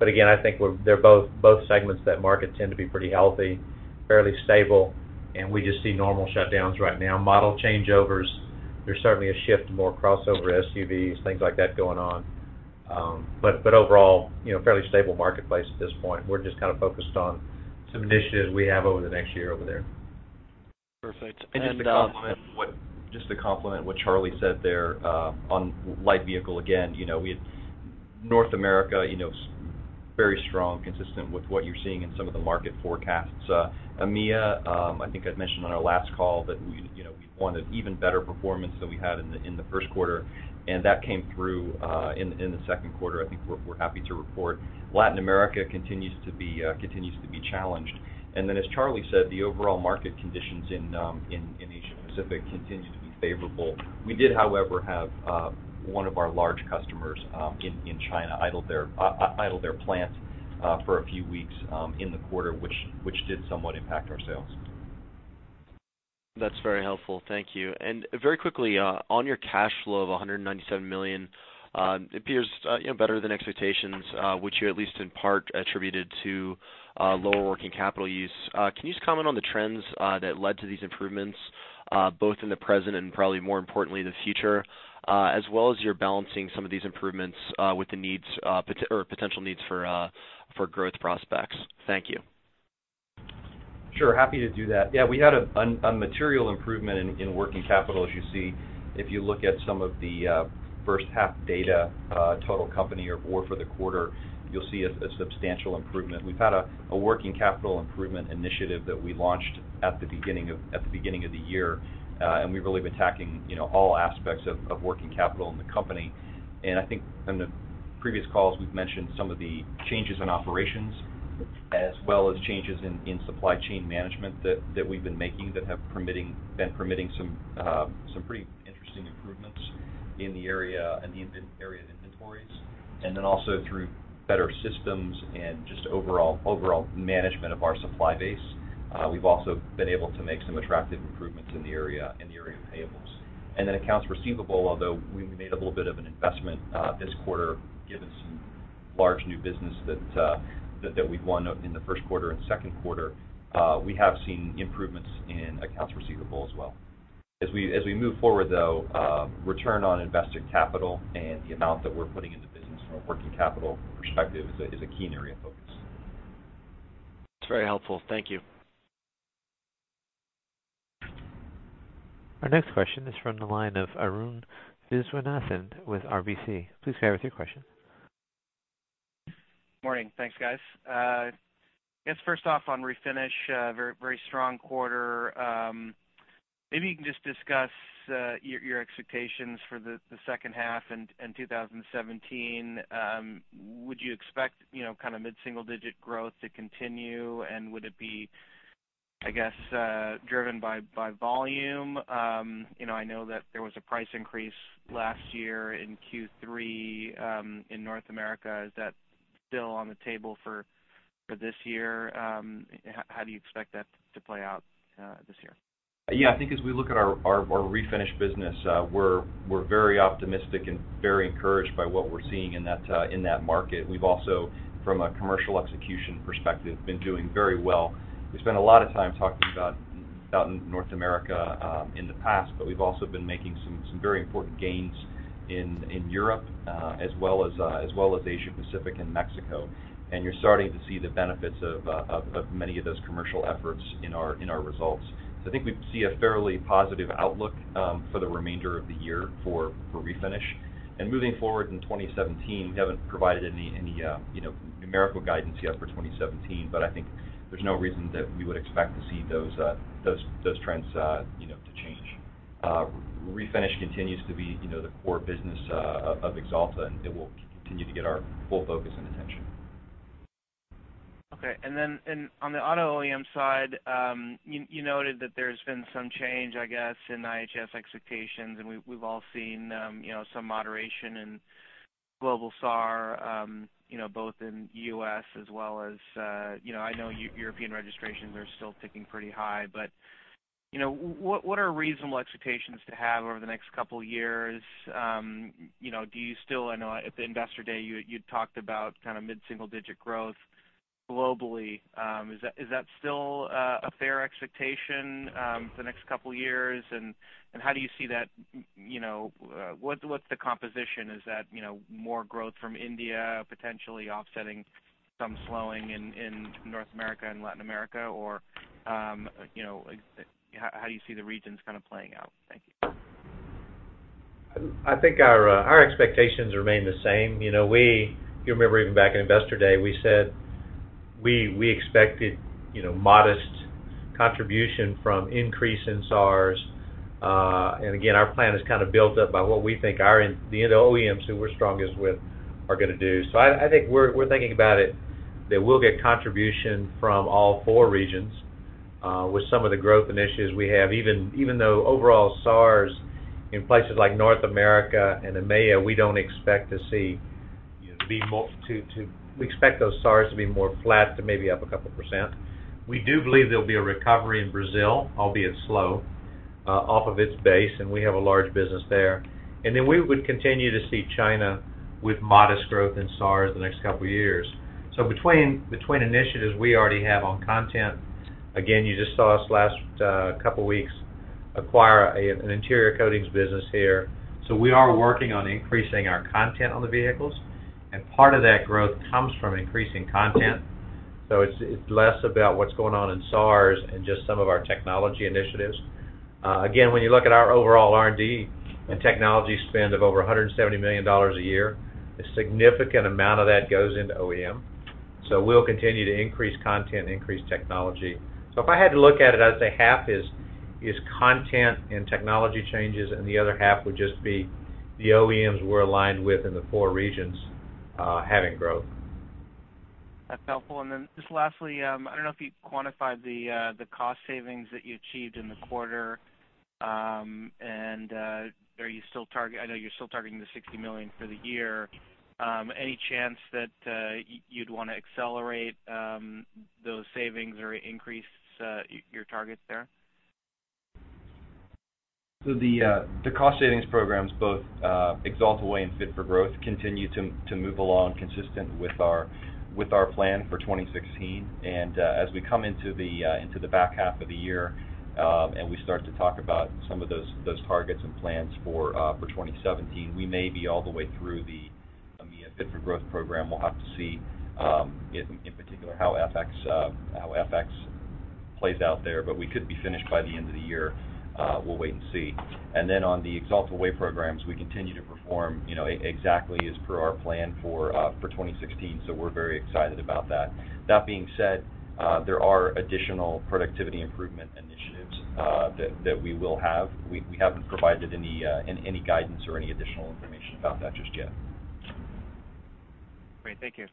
Again, I think they're both segments that market tend to be pretty healthy, fairly stable, and we just see normal shutdowns right now. Model changeovers, there's certainly a shift to more crossover SUVs, things like that going on. Overall, fairly stable marketplace at this point. We're just kind of focused on some initiatives we have over the next year over there. Perfect. Just to complement what Charlie said there on light vehicle again, North America, very strong, consistent with what you're seeing in some of the market forecasts. EMEA, I think I'd mentioned on our last call that we wanted even better performance than we had in the first quarter, and that came through in the second quarter, I think we're happy to report. Latin America continues to be challenged. As Charlie said, the overall market conditions in Asia Pacific continue to be favorable. We did, however, have one of our large customers in China idle their plant for a few weeks in the quarter, which did somewhat impact our sales. That's very helpful. Thank you. Very quickly, on your cash flow of $197 million, it appears better than expectations, which you at least in part attributed to lower working capital use. Can you just comment on the trends that led to these improvements, both in the present and probably more importantly, the future, as well as your balancing some of these improvements with the potential needs for growth prospects? Thank you. Sure, happy to do that. We had a material improvement in working capital, as you see, if you look at some of the first half data, total company or for the quarter, you'll see a substantial improvement. We've had a working capital improvement initiative that we launched at the beginning of the year, and we really have been tackling all aspects of working capital in the company. I think on the previous calls, we've mentioned some of the changes in operations as well as changes in supply chain management that we've been making that have been permitting some pretty interesting improvements in the area of inventories. Also through better systems and just overall management of our supply base, we've also been able to make some attractive improvements in the area of payables. Accounts receivable, although we made a little bit of an investment this quarter, given some large new business that we've won in the first quarter and second quarter, we have seen improvements in accounts receivable as well. As we move forward, though, return on invested capital and the amount that we're putting into business from a working capital perspective is a key area of focus. That's very helpful. Thank you. Our next question is from the line of Arun Viswanathan with RBC. Please go ahead with your question. Morning. Thanks, guys. I guess first off on Refinish, a very strong quarter. Maybe you can just discuss your expectations for the second half in 2017. Would you expect kind of mid-single-digit growth to continue? Would it be, I guess, driven by volume? I know that there was a price increase last year in Q3 in North America. Is that still on the table for this year? How do you expect that to play out this year? Yeah, I think as we look at our Refinish business, we're very optimistic and very encouraged by what we're seeing in that market. We've also, from a commercial execution perspective, been doing very well. We spent a lot of time talking about North America in the past, but we've also been making some very important gains in Europe as well as Asia Pacific and Mexico. You're starting to see the benefits of many of those commercial efforts in our results. I think we see a fairly positive outlook for the remainder of the year for Refinish. Moving forward in 2017, we haven't provided any numerical guidance yet for 2017, but I think there's no reason that we would expect to see those trends to change. Refinish continues to be the core business of Axalta, and it will continue to get our full focus and attention. Okay. On the auto OEM side, you noted that there's been some change, I guess, in IHS expectations, and we've all seen some moderation in global SAAR, both in U.S. as well as. I know European registrations are still ticking pretty high, but what are reasonable expectations to have over the next couple of years? I know at the Investor Day, you talked about mid-single-digit growth globally. Is that still a fair expectation for the next couple of years? How do you see that? What's the composition? Is that more growth from India potentially offsetting some slowing in North America and Latin America? How do you see the regions playing out? Thank you. I think our expectations remain the same. If you remember even back at Investor Day, we said we expected modest contribution from increase in SAARs. Again, our plan is built up by what we think the OEMs who we're strongest with are going to do. I think we're thinking about it, that we'll get contribution from all four regions with some of the growth initiatives we have, even though overall SAARs in places like North America and EMEA, we expect those SAARs to be more flat to maybe up a couple percent. We do believe there'll be a recovery in Brazil, albeit slow, off of its base, and we have a large business there. We would continue to see China with modest growth in SAARs the next couple of years. Between initiatives we already have on content. Again, you just saw us last couple weeks acquire an interior coatings business here. We are working on increasing our content on the vehicles, and part of that growth comes from increasing content. It's less about what's going on in SAARs and just some of our technology initiatives. Again, when you look at our overall R&D and technology spend of over $170 million a year, a significant amount of that goes into OEM. We'll continue to increase content, increase technology. If I had to look at it, I'd say half is content and technology changes, and the other half would just be the OEMs we're aligned with in the four regions having growth. That's helpful. Then just lastly, I don't know if you quantified the cost savings that you achieved in the quarter. I know you're still targeting the $60 million for the year. Any chance that you'd want to accelerate those savings or increase your targets there? The cost savings programs, both Axalta Way and Fit-for-Growth, continue to move along consistent with our plan for 2016. As we come into the back half of the year, and we start to talk about some of those targets and plans for 2017, we may be all the way through the EMEA Fit-for-Growth program. We'll have to see, in particular, how FX plays out there, but we could be finished by the end of the year. We'll wait and see. Then on the Axalta Way programs, we continue to perform exactly as per our plan for 2016. We're very excited about that. That being said, there are additional productivity improvement initiatives that we will have. We haven't provided any guidance or any additional information about that just yet. Great. Thank you.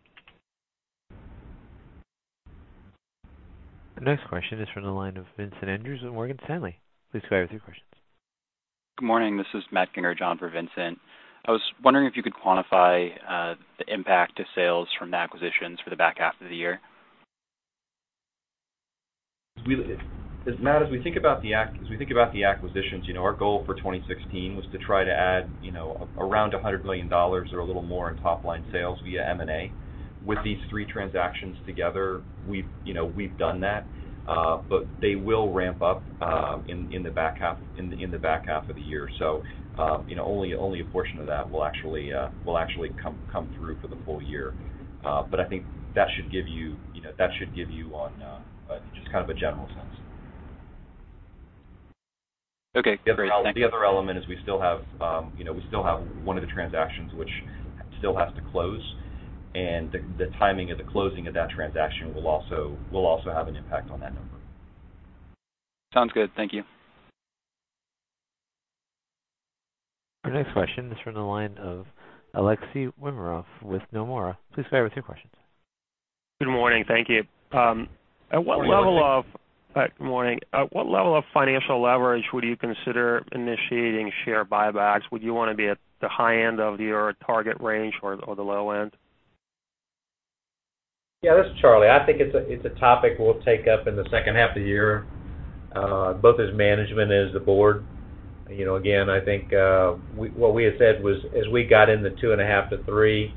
The next question is from the line of Vincent Andrews with Morgan Stanley. Please go ahead with your questions. Good morning. This is Matt Ginger, on for Vincent. I was wondering if you could quantify the impact to sales from the acquisitions for the back half of the year. Matt, as we think about the acquisitions, our goal for 2016 was to try to add around $100 million or a little more in top-line sales via M&A. They will ramp up in the back half of the year. Only a portion of that will actually come through for the full year. I think that should give you just kind of a general sense. Okay. Yeah, great. Thank you. The other element is we still have one of the transactions which still has to close, and the timing of the closing of that transaction will also have an impact on that number. Sounds good. Thank you. Our next question is from the line of Aleksey Yefremov with Nomura. Please go ahead with your questions. Good morning. Thank you. Good morning. Good morning. At what level of financial leverage would you consider initiating share buybacks? Would you want to be at the high end of your target range or the low end? Yeah, this is Charlie. I think it's a topic we'll take up in the second half of the year, both as management and as the board. Again, I think what we had said was, as we got in the two and a half to three,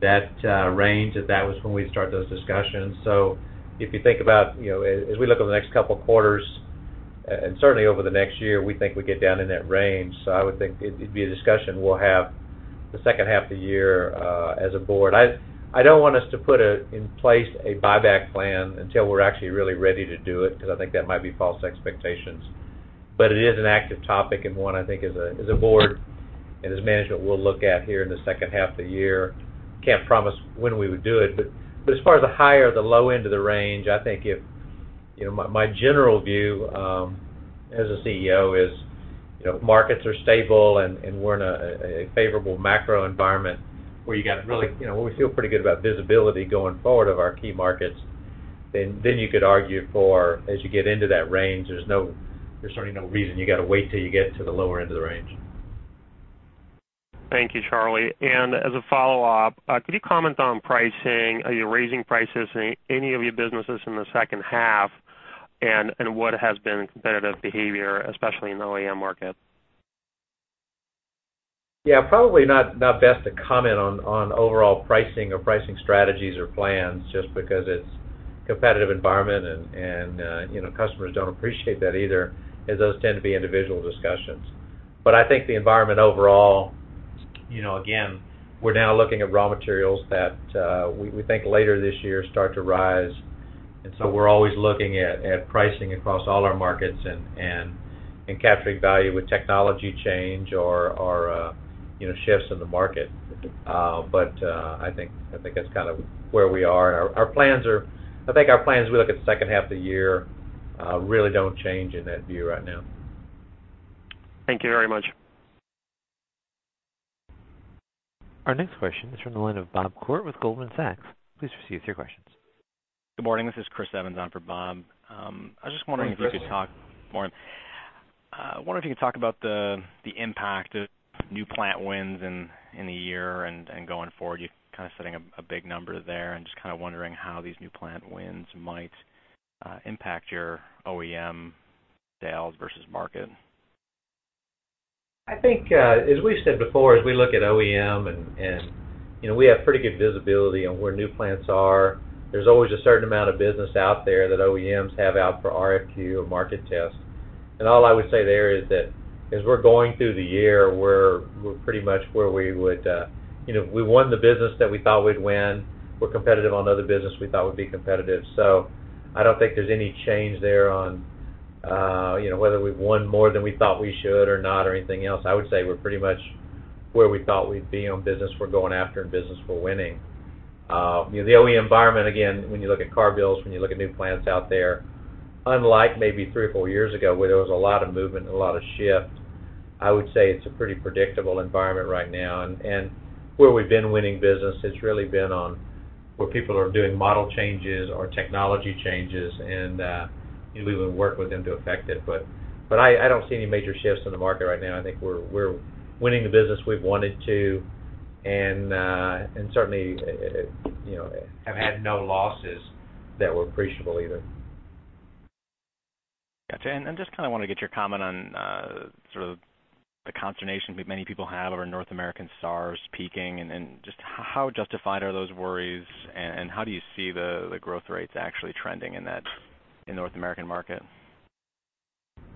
that range, that was when we'd start those discussions. If you think about as we look over the next couple quarters, and certainly over the next year, we think we get down in that range. I would think it'd be a discussion we'll have the second half of the year as a board. I don't want us to put in place a buyback plan until we're actually really ready to do it, because I think that might be false expectations. It is an active topic and one I think as a board and as management we'll look at here in the second half of the year. Can't promise when we would do it, but as far as the high or the low end of the range, I think my general view as a CEO is markets are stable and we're in a favorable macro environment where we feel pretty good about visibility going forward of our key markets. You could argue for, as you get into that range, there's certainly no reason you got to wait till you get to the lower end of the range. Thank you, Charlie. As a follow-up, could you comment on pricing? Are you raising prices in any of your businesses in the second half? What has been competitive behavior, especially in the OEM market? Probably not best to comment on overall pricing or pricing strategies or plans, just because it's a competitive environment and customers don't appreciate that either, as those tend to be individual discussions. I think the environment overall, again, we're now looking at raw materials that we think later this year start to rise. We're always looking at pricing across all our markets and capturing value with technology change or shifts in the market. I think that's kind of where we are. I think our plans, as we look at the second half of the year, really don't change in that view right now. Thank you very much. Our next question is from the line of Bob Koort with Goldman Sachs. Please proceed with your questions. Good morning. This is Christopher Evans on for Bob. Morning, Chris. Morning. I was just wondering if you could talk about the impact of new plant wins in the year and going forward. You're kind of setting a big number there, and just kind of wondering how these new plant wins might impact your OEM sales versus market. I think, as we've said before, as we look at OEM, we have pretty good visibility on where new plants are. There's always a certain amount of business out there that OEMs have out for RFQ or market test. All I would say there is that as we're going through the year, we're pretty much where we won the business that we thought we'd win. We're competitive on other business we thought would be competitive. I don't think there's any change there on whether we've won more than we thought we should or not or anything else. I would say we're pretty much where we thought we'd be on business we're going after and business we're winning. The OEM environment, again, when you look at car builds, when you look at new plants out there, unlike maybe three or four years ago, where there was a lot of movement and a lot of shift, I would say it's a pretty predictable environment right now. Where we've been winning business, it's really been on where people are doing model changes or technology changes, and we would work with them to affect it. I don't see any major shifts in the market right now. I think we're winning the business we've wanted to, and certainly, have had no losses that were appreciable either. Gotcha. I just kind of want to get your comment on sort of the consternation many people have over North American SAARs peaking, just how justified are those worries, and how do you see the growth rates actually trending in North American market?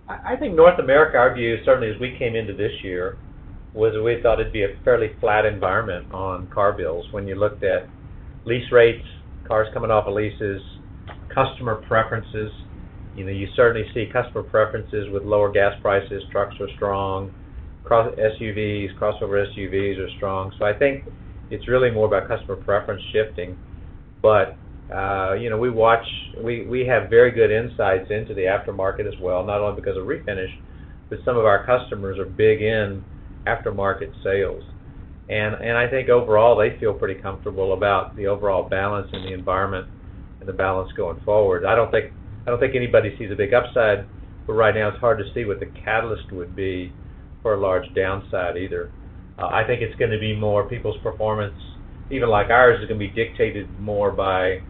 I think North America, our view, certainly as we came into this year, was we thought it'd be a fairly flat environment on car builds. When you looked at lease rates, cars coming off of leases, customer preferences. You certainly see customer preferences with lower gas prices. Trucks are strong. SUVs, crossover SUVs are strong. I think it's really more about customer preference shifting. We have very good insights into the aftermarket as well, not only because of refinish, but some of our customers are big in aftermarket sales. I think overall, they feel pretty comfortable about the overall balance in the environment and the balance going forward. I don't think anybody sees a big upside, but right now it's hard to see what the catalyst would be for a large downside either. I think it's going to be more people's performance, even like ours, is going to be dictated more by,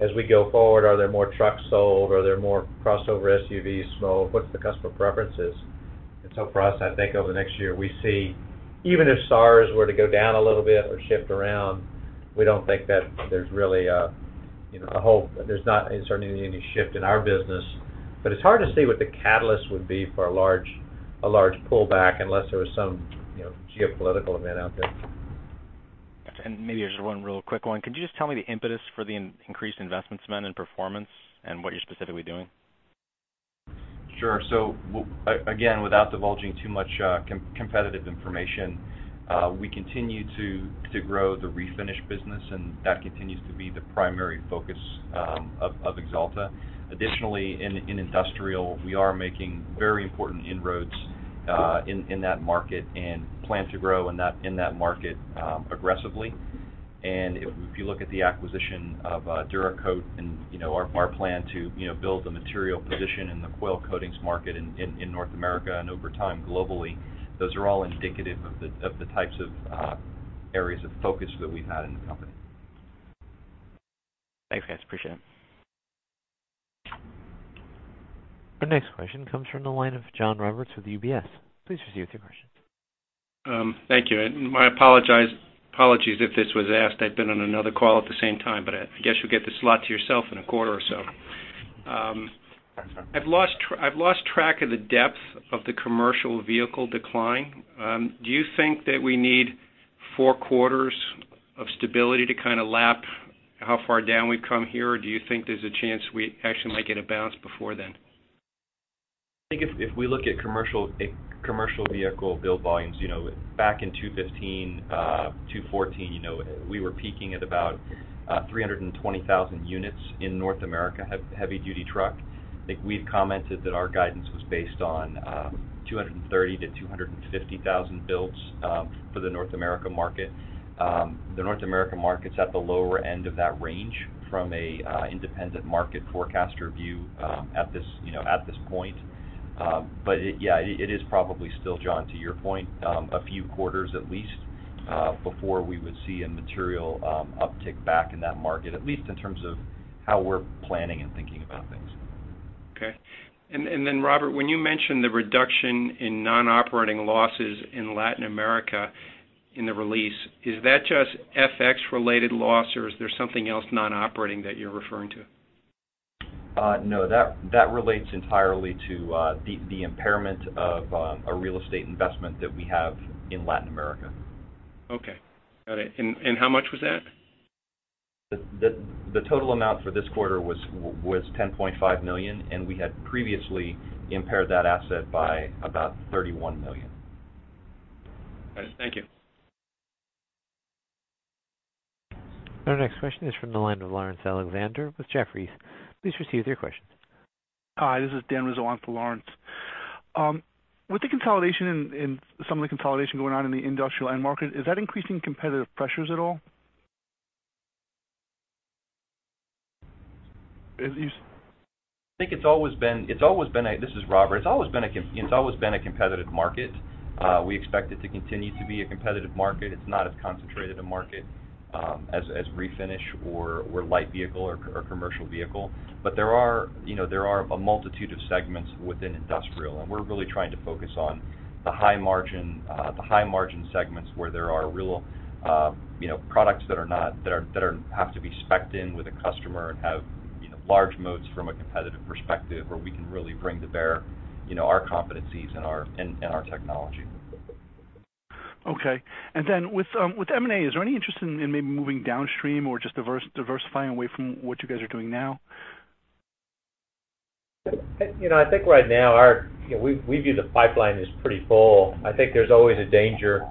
as we go forward, are there more trucks sold? Are there more crossover SUVs sold? What's the customer preferences? For us, I think over the next year, we see, even if SAARs were to go down a little bit or shift around, we don't think that there's really certainly any shift in our business. It's hard to see what the catalyst would be for a large pullback unless there was some geopolitical event out there. Maybe just one real quick one. Could you just tell me the impetus for the increased investment spend and performance and what you're specifically doing? Again, without divulging too much competitive information, we continue to grow the refinish business, and that continues to be the primary focus of Axalta. Additionally, in industrial, we are making very important inroads in that market and plan to grow in that market aggressively. If you look at the acquisition of Dura Coat and our plan to build a material position in the coil coatings market in North America and over time globally, those are all indicative of the types of areas of focus that we've had in the company. Thanks, guys. Appreciate it. Our next question comes from the line of John Roberts with UBS. Please proceed with your questions. Thank you. My apologies if this was asked. I've been on another call at the same time, I guess you'll get this slot to yourself in a quarter or so. That's all right. I've lost track of the depth of the commercial vehicle decline. Do you think that we need four quarters of stability to kind of lap how far down we've come here, or do you think there's a chance we actually might get a bounce before then? I think if we look at commercial vehicle build volumes, back in 2015, 2014, we were peaking at about 320,000 units in North America, heavy duty truck. I think we've commented that our guidance was based on 230,000 builds-250,000 builds for the North America market. The North America market's at the lower end of that range from an independent market forecaster view at this point. Yeah, it is probably still, John, to your point, a few quarters at least, before we would see a material uptick back in that market, at least in terms of how we're planning and thinking about things. Okay. Robert, when you mention the reduction in non-operating losses in Latin America in the release, is that just FX related loss, or is there something else non-operating that you're referring to? No, that relates entirely to the impairment of a real estate investment that we have in Latin America. Okay. Got it. How much was that? The total amount for this quarter was $10.5 million. We had previously impaired that asset by about $31 million. All right. Thank you. Our next question is from the line of Laurence Alexander with Jefferies. Please proceed with your question. Hi, this is Daniel Rosen for Laurence. With some of the consolidation going on in the industrial end market, is that increasing competitive pressures at all? This is Robert. It's always been a competitive market. We expect it to continue to be a competitive market. There are a multitude of segments within industrial, and we're really trying to focus on the high margin segments where there are real products that have to be specced in with a customer and have large moats from a competitive perspective, where we can really bring to bear our competencies and our technology. Okay. With M&A, is there any interest in maybe moving downstream or just diversifying away from what you guys are doing now? I think right now, we view the pipeline is pretty full. I think there's always a danger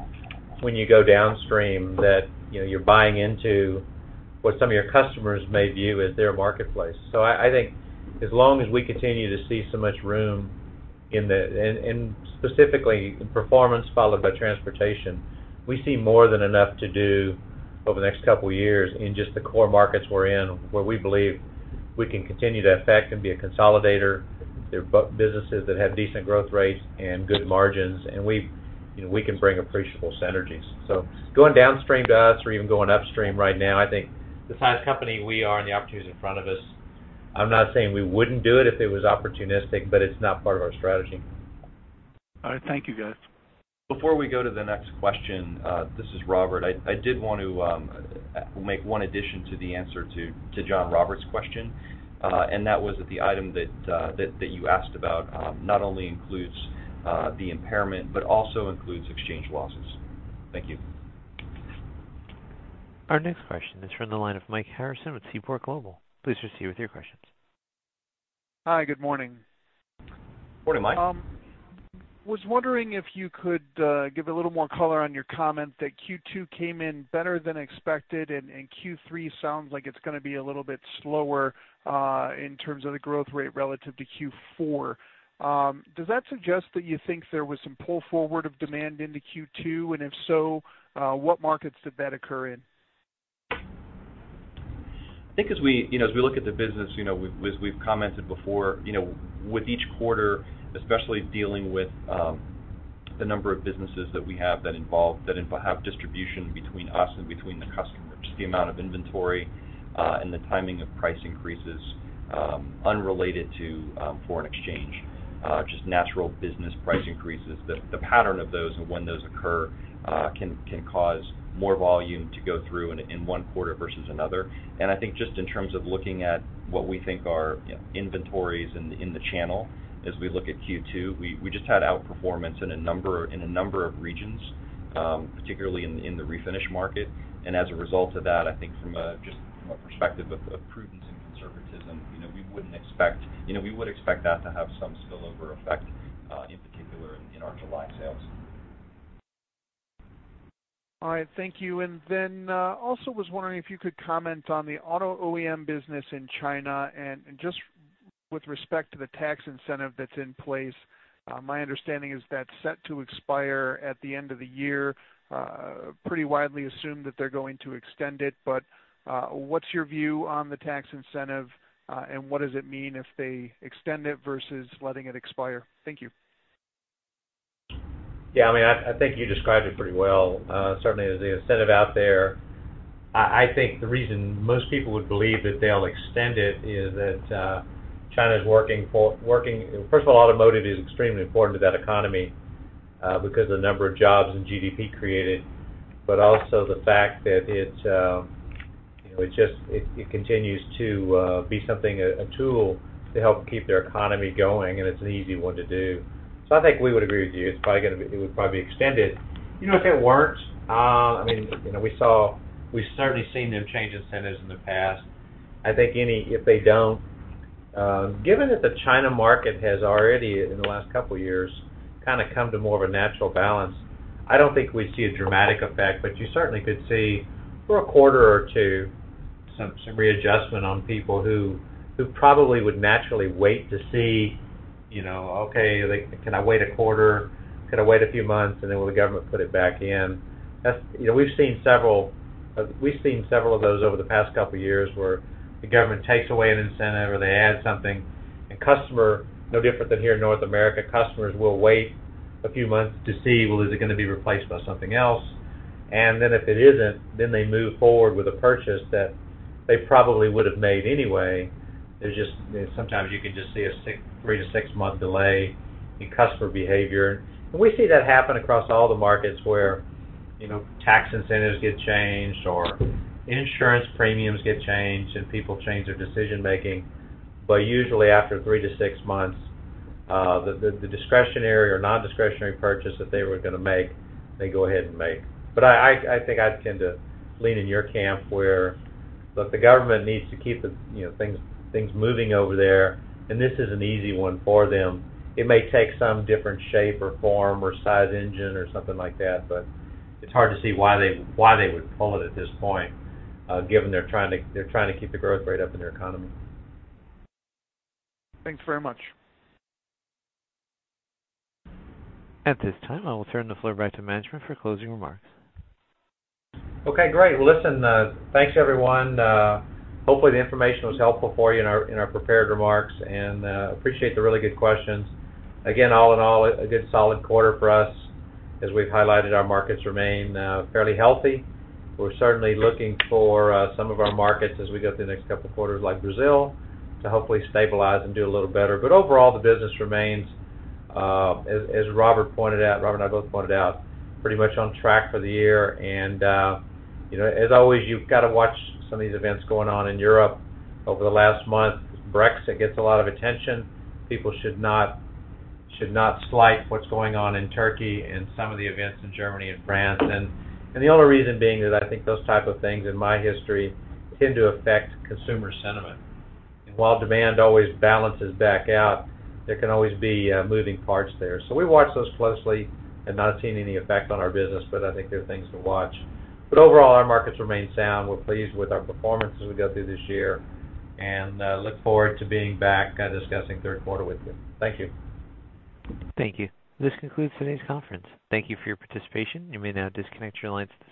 when you go downstream that you're buying into what some of your customers may view as their marketplace. I think as long as we continue to see so much room, specifically in performance followed by transportation, we see more than enough to do over the next couple of years in just the core markets we're in, where we believe we can continue to effect and be a consolidator. They're businesses that have decent growth rates and good margins, and we can bring appreciable synergies. Going downstream to us or even going upstream right now, I think the size of company we are and the opportunities in front of us, I'm not saying we wouldn't do it if it was opportunistic, but it's not part of our strategy. All right. Thank you, guys. Before we go to the next question, this is Robert. I did want to make one addition to the answer to John Roberts' question. That was that the item that you asked about not only includes the impairment, but also includes exchange losses. Thank you. Our next question is from the line of Mike Harrison with Seaport Global. Please proceed with your questions. Hi, good morning. Morning, Mike. Was wondering if you could give a little more color on your comment that Q2 came in better than expected, and Q3 sounds like it's going to be a little bit slower in terms of the growth rate relative to Q4. Does that suggest that you think there was some pull forward of demand into Q2? If so, what markets did that occur in? I think as we look at the business, as we've commented before, with each quarter, especially dealing with the number of businesses that we have that have distribution between us and between the customer. Just the amount of inventory, and the timing of price increases, unrelated to foreign exchange. Just natural business price increases. The pattern of those and when those occur, can cause more volume to go through in one quarter versus another. I think just in terms of looking at what we think are inventories in the channel as we look at Q2, we just had outperformance in a number of regions, particularly in the refinish market. As a result of that, I think from a perspective of prudence and conservatism, we would expect that to have some spillover effect, in particular in our July sales. All right. Thank you. Then, also was wondering if you could comment on the auto OEM business in China, and just with respect to the tax incentive that's in place. My understanding is that's set to expire at the end of the year. Pretty widely assumed that they're going to extend it, what's your view on the tax incentive? What does it mean if they extend it versus letting it expire? Thank you. Yeah, I think you described it pretty well. Certainly, there's the incentive out there. I think the reason most people would believe that they'll extend it is that First of all, automotive is extremely important to that economy, because of the number of jobs and GDP created, but also the fact that it continues to be something, a tool to help keep their economy going, and it's an easy one to do. I think we would agree with you. It would probably be extended. If it weren't, we've certainly seen them change incentives in the past. I think if they don't, given that the China market has already, in the last couple of years, kind of come to more of a natural balance, I don't think we'd see a dramatic effect. You certainly could see for a quarter or two, some readjustment on people who probably would naturally wait to see, "Okay, can I wait a quarter? Can I wait a few months, and then will the government put it back in?" We've seen several of those over the past couple of years where the government takes away an incentive or they add something, and customer, no different than here in North America, customers will wait a few months to see, well, is it going to be replaced by something else? Then if it isn't, then they move forward with a purchase that they probably would've made anyway. Sometimes you can just see a three to six-month delay in customer behavior. We see that happen across all the markets where tax incentives get changed or insurance premiums get changed, and people change their decision-making. Usually after three to six months, the discretionary or non-discretionary purchase that they were going to make, they go ahead and make. I think I tend to lean in your camp where, look, the government needs to keep things moving over there, and this is an easy one for them. It may take some different shape or form or size engine or something like that, but it's hard to see why they would pull it at this point, given they're trying to keep the growth rate up in their economy. Thanks very much. At this time, I will turn the floor back to management for closing remarks. Okay, great. Well, listen, thanks everyone. Hopefully, the information was helpful for you in our prepared remarks, and appreciate the really good questions. Again, all in all, a good solid quarter for us. As we've highlighted, our markets remain fairly healthy. We're certainly looking for some of our markets as we go through the next couple of quarters, like Brazil, to hopefully stabilize and do a little better. Overall, the business remains, as Robert and I both pointed out, pretty much on track for the year. As always, you've got to watch some of these events going on in Europe over the last month. Brexit gets a lot of attention. People should not slight what's going on in Turkey and some of the events in Germany and France. The only reason being is I think those type of things, in my history, tend to affect consumer sentiment. While demand always balances back out, there can always be moving parts there. We watch those closely and not seen any effect on our business, but I think they're things to watch. Overall, our markets remain sound. We're pleased with our performance as we go through this year, and look forward to being back discussing third quarter with you. Thank you. Thank you. This concludes today's conference. Thank you for your participation. You may now disconnect your lines at this time.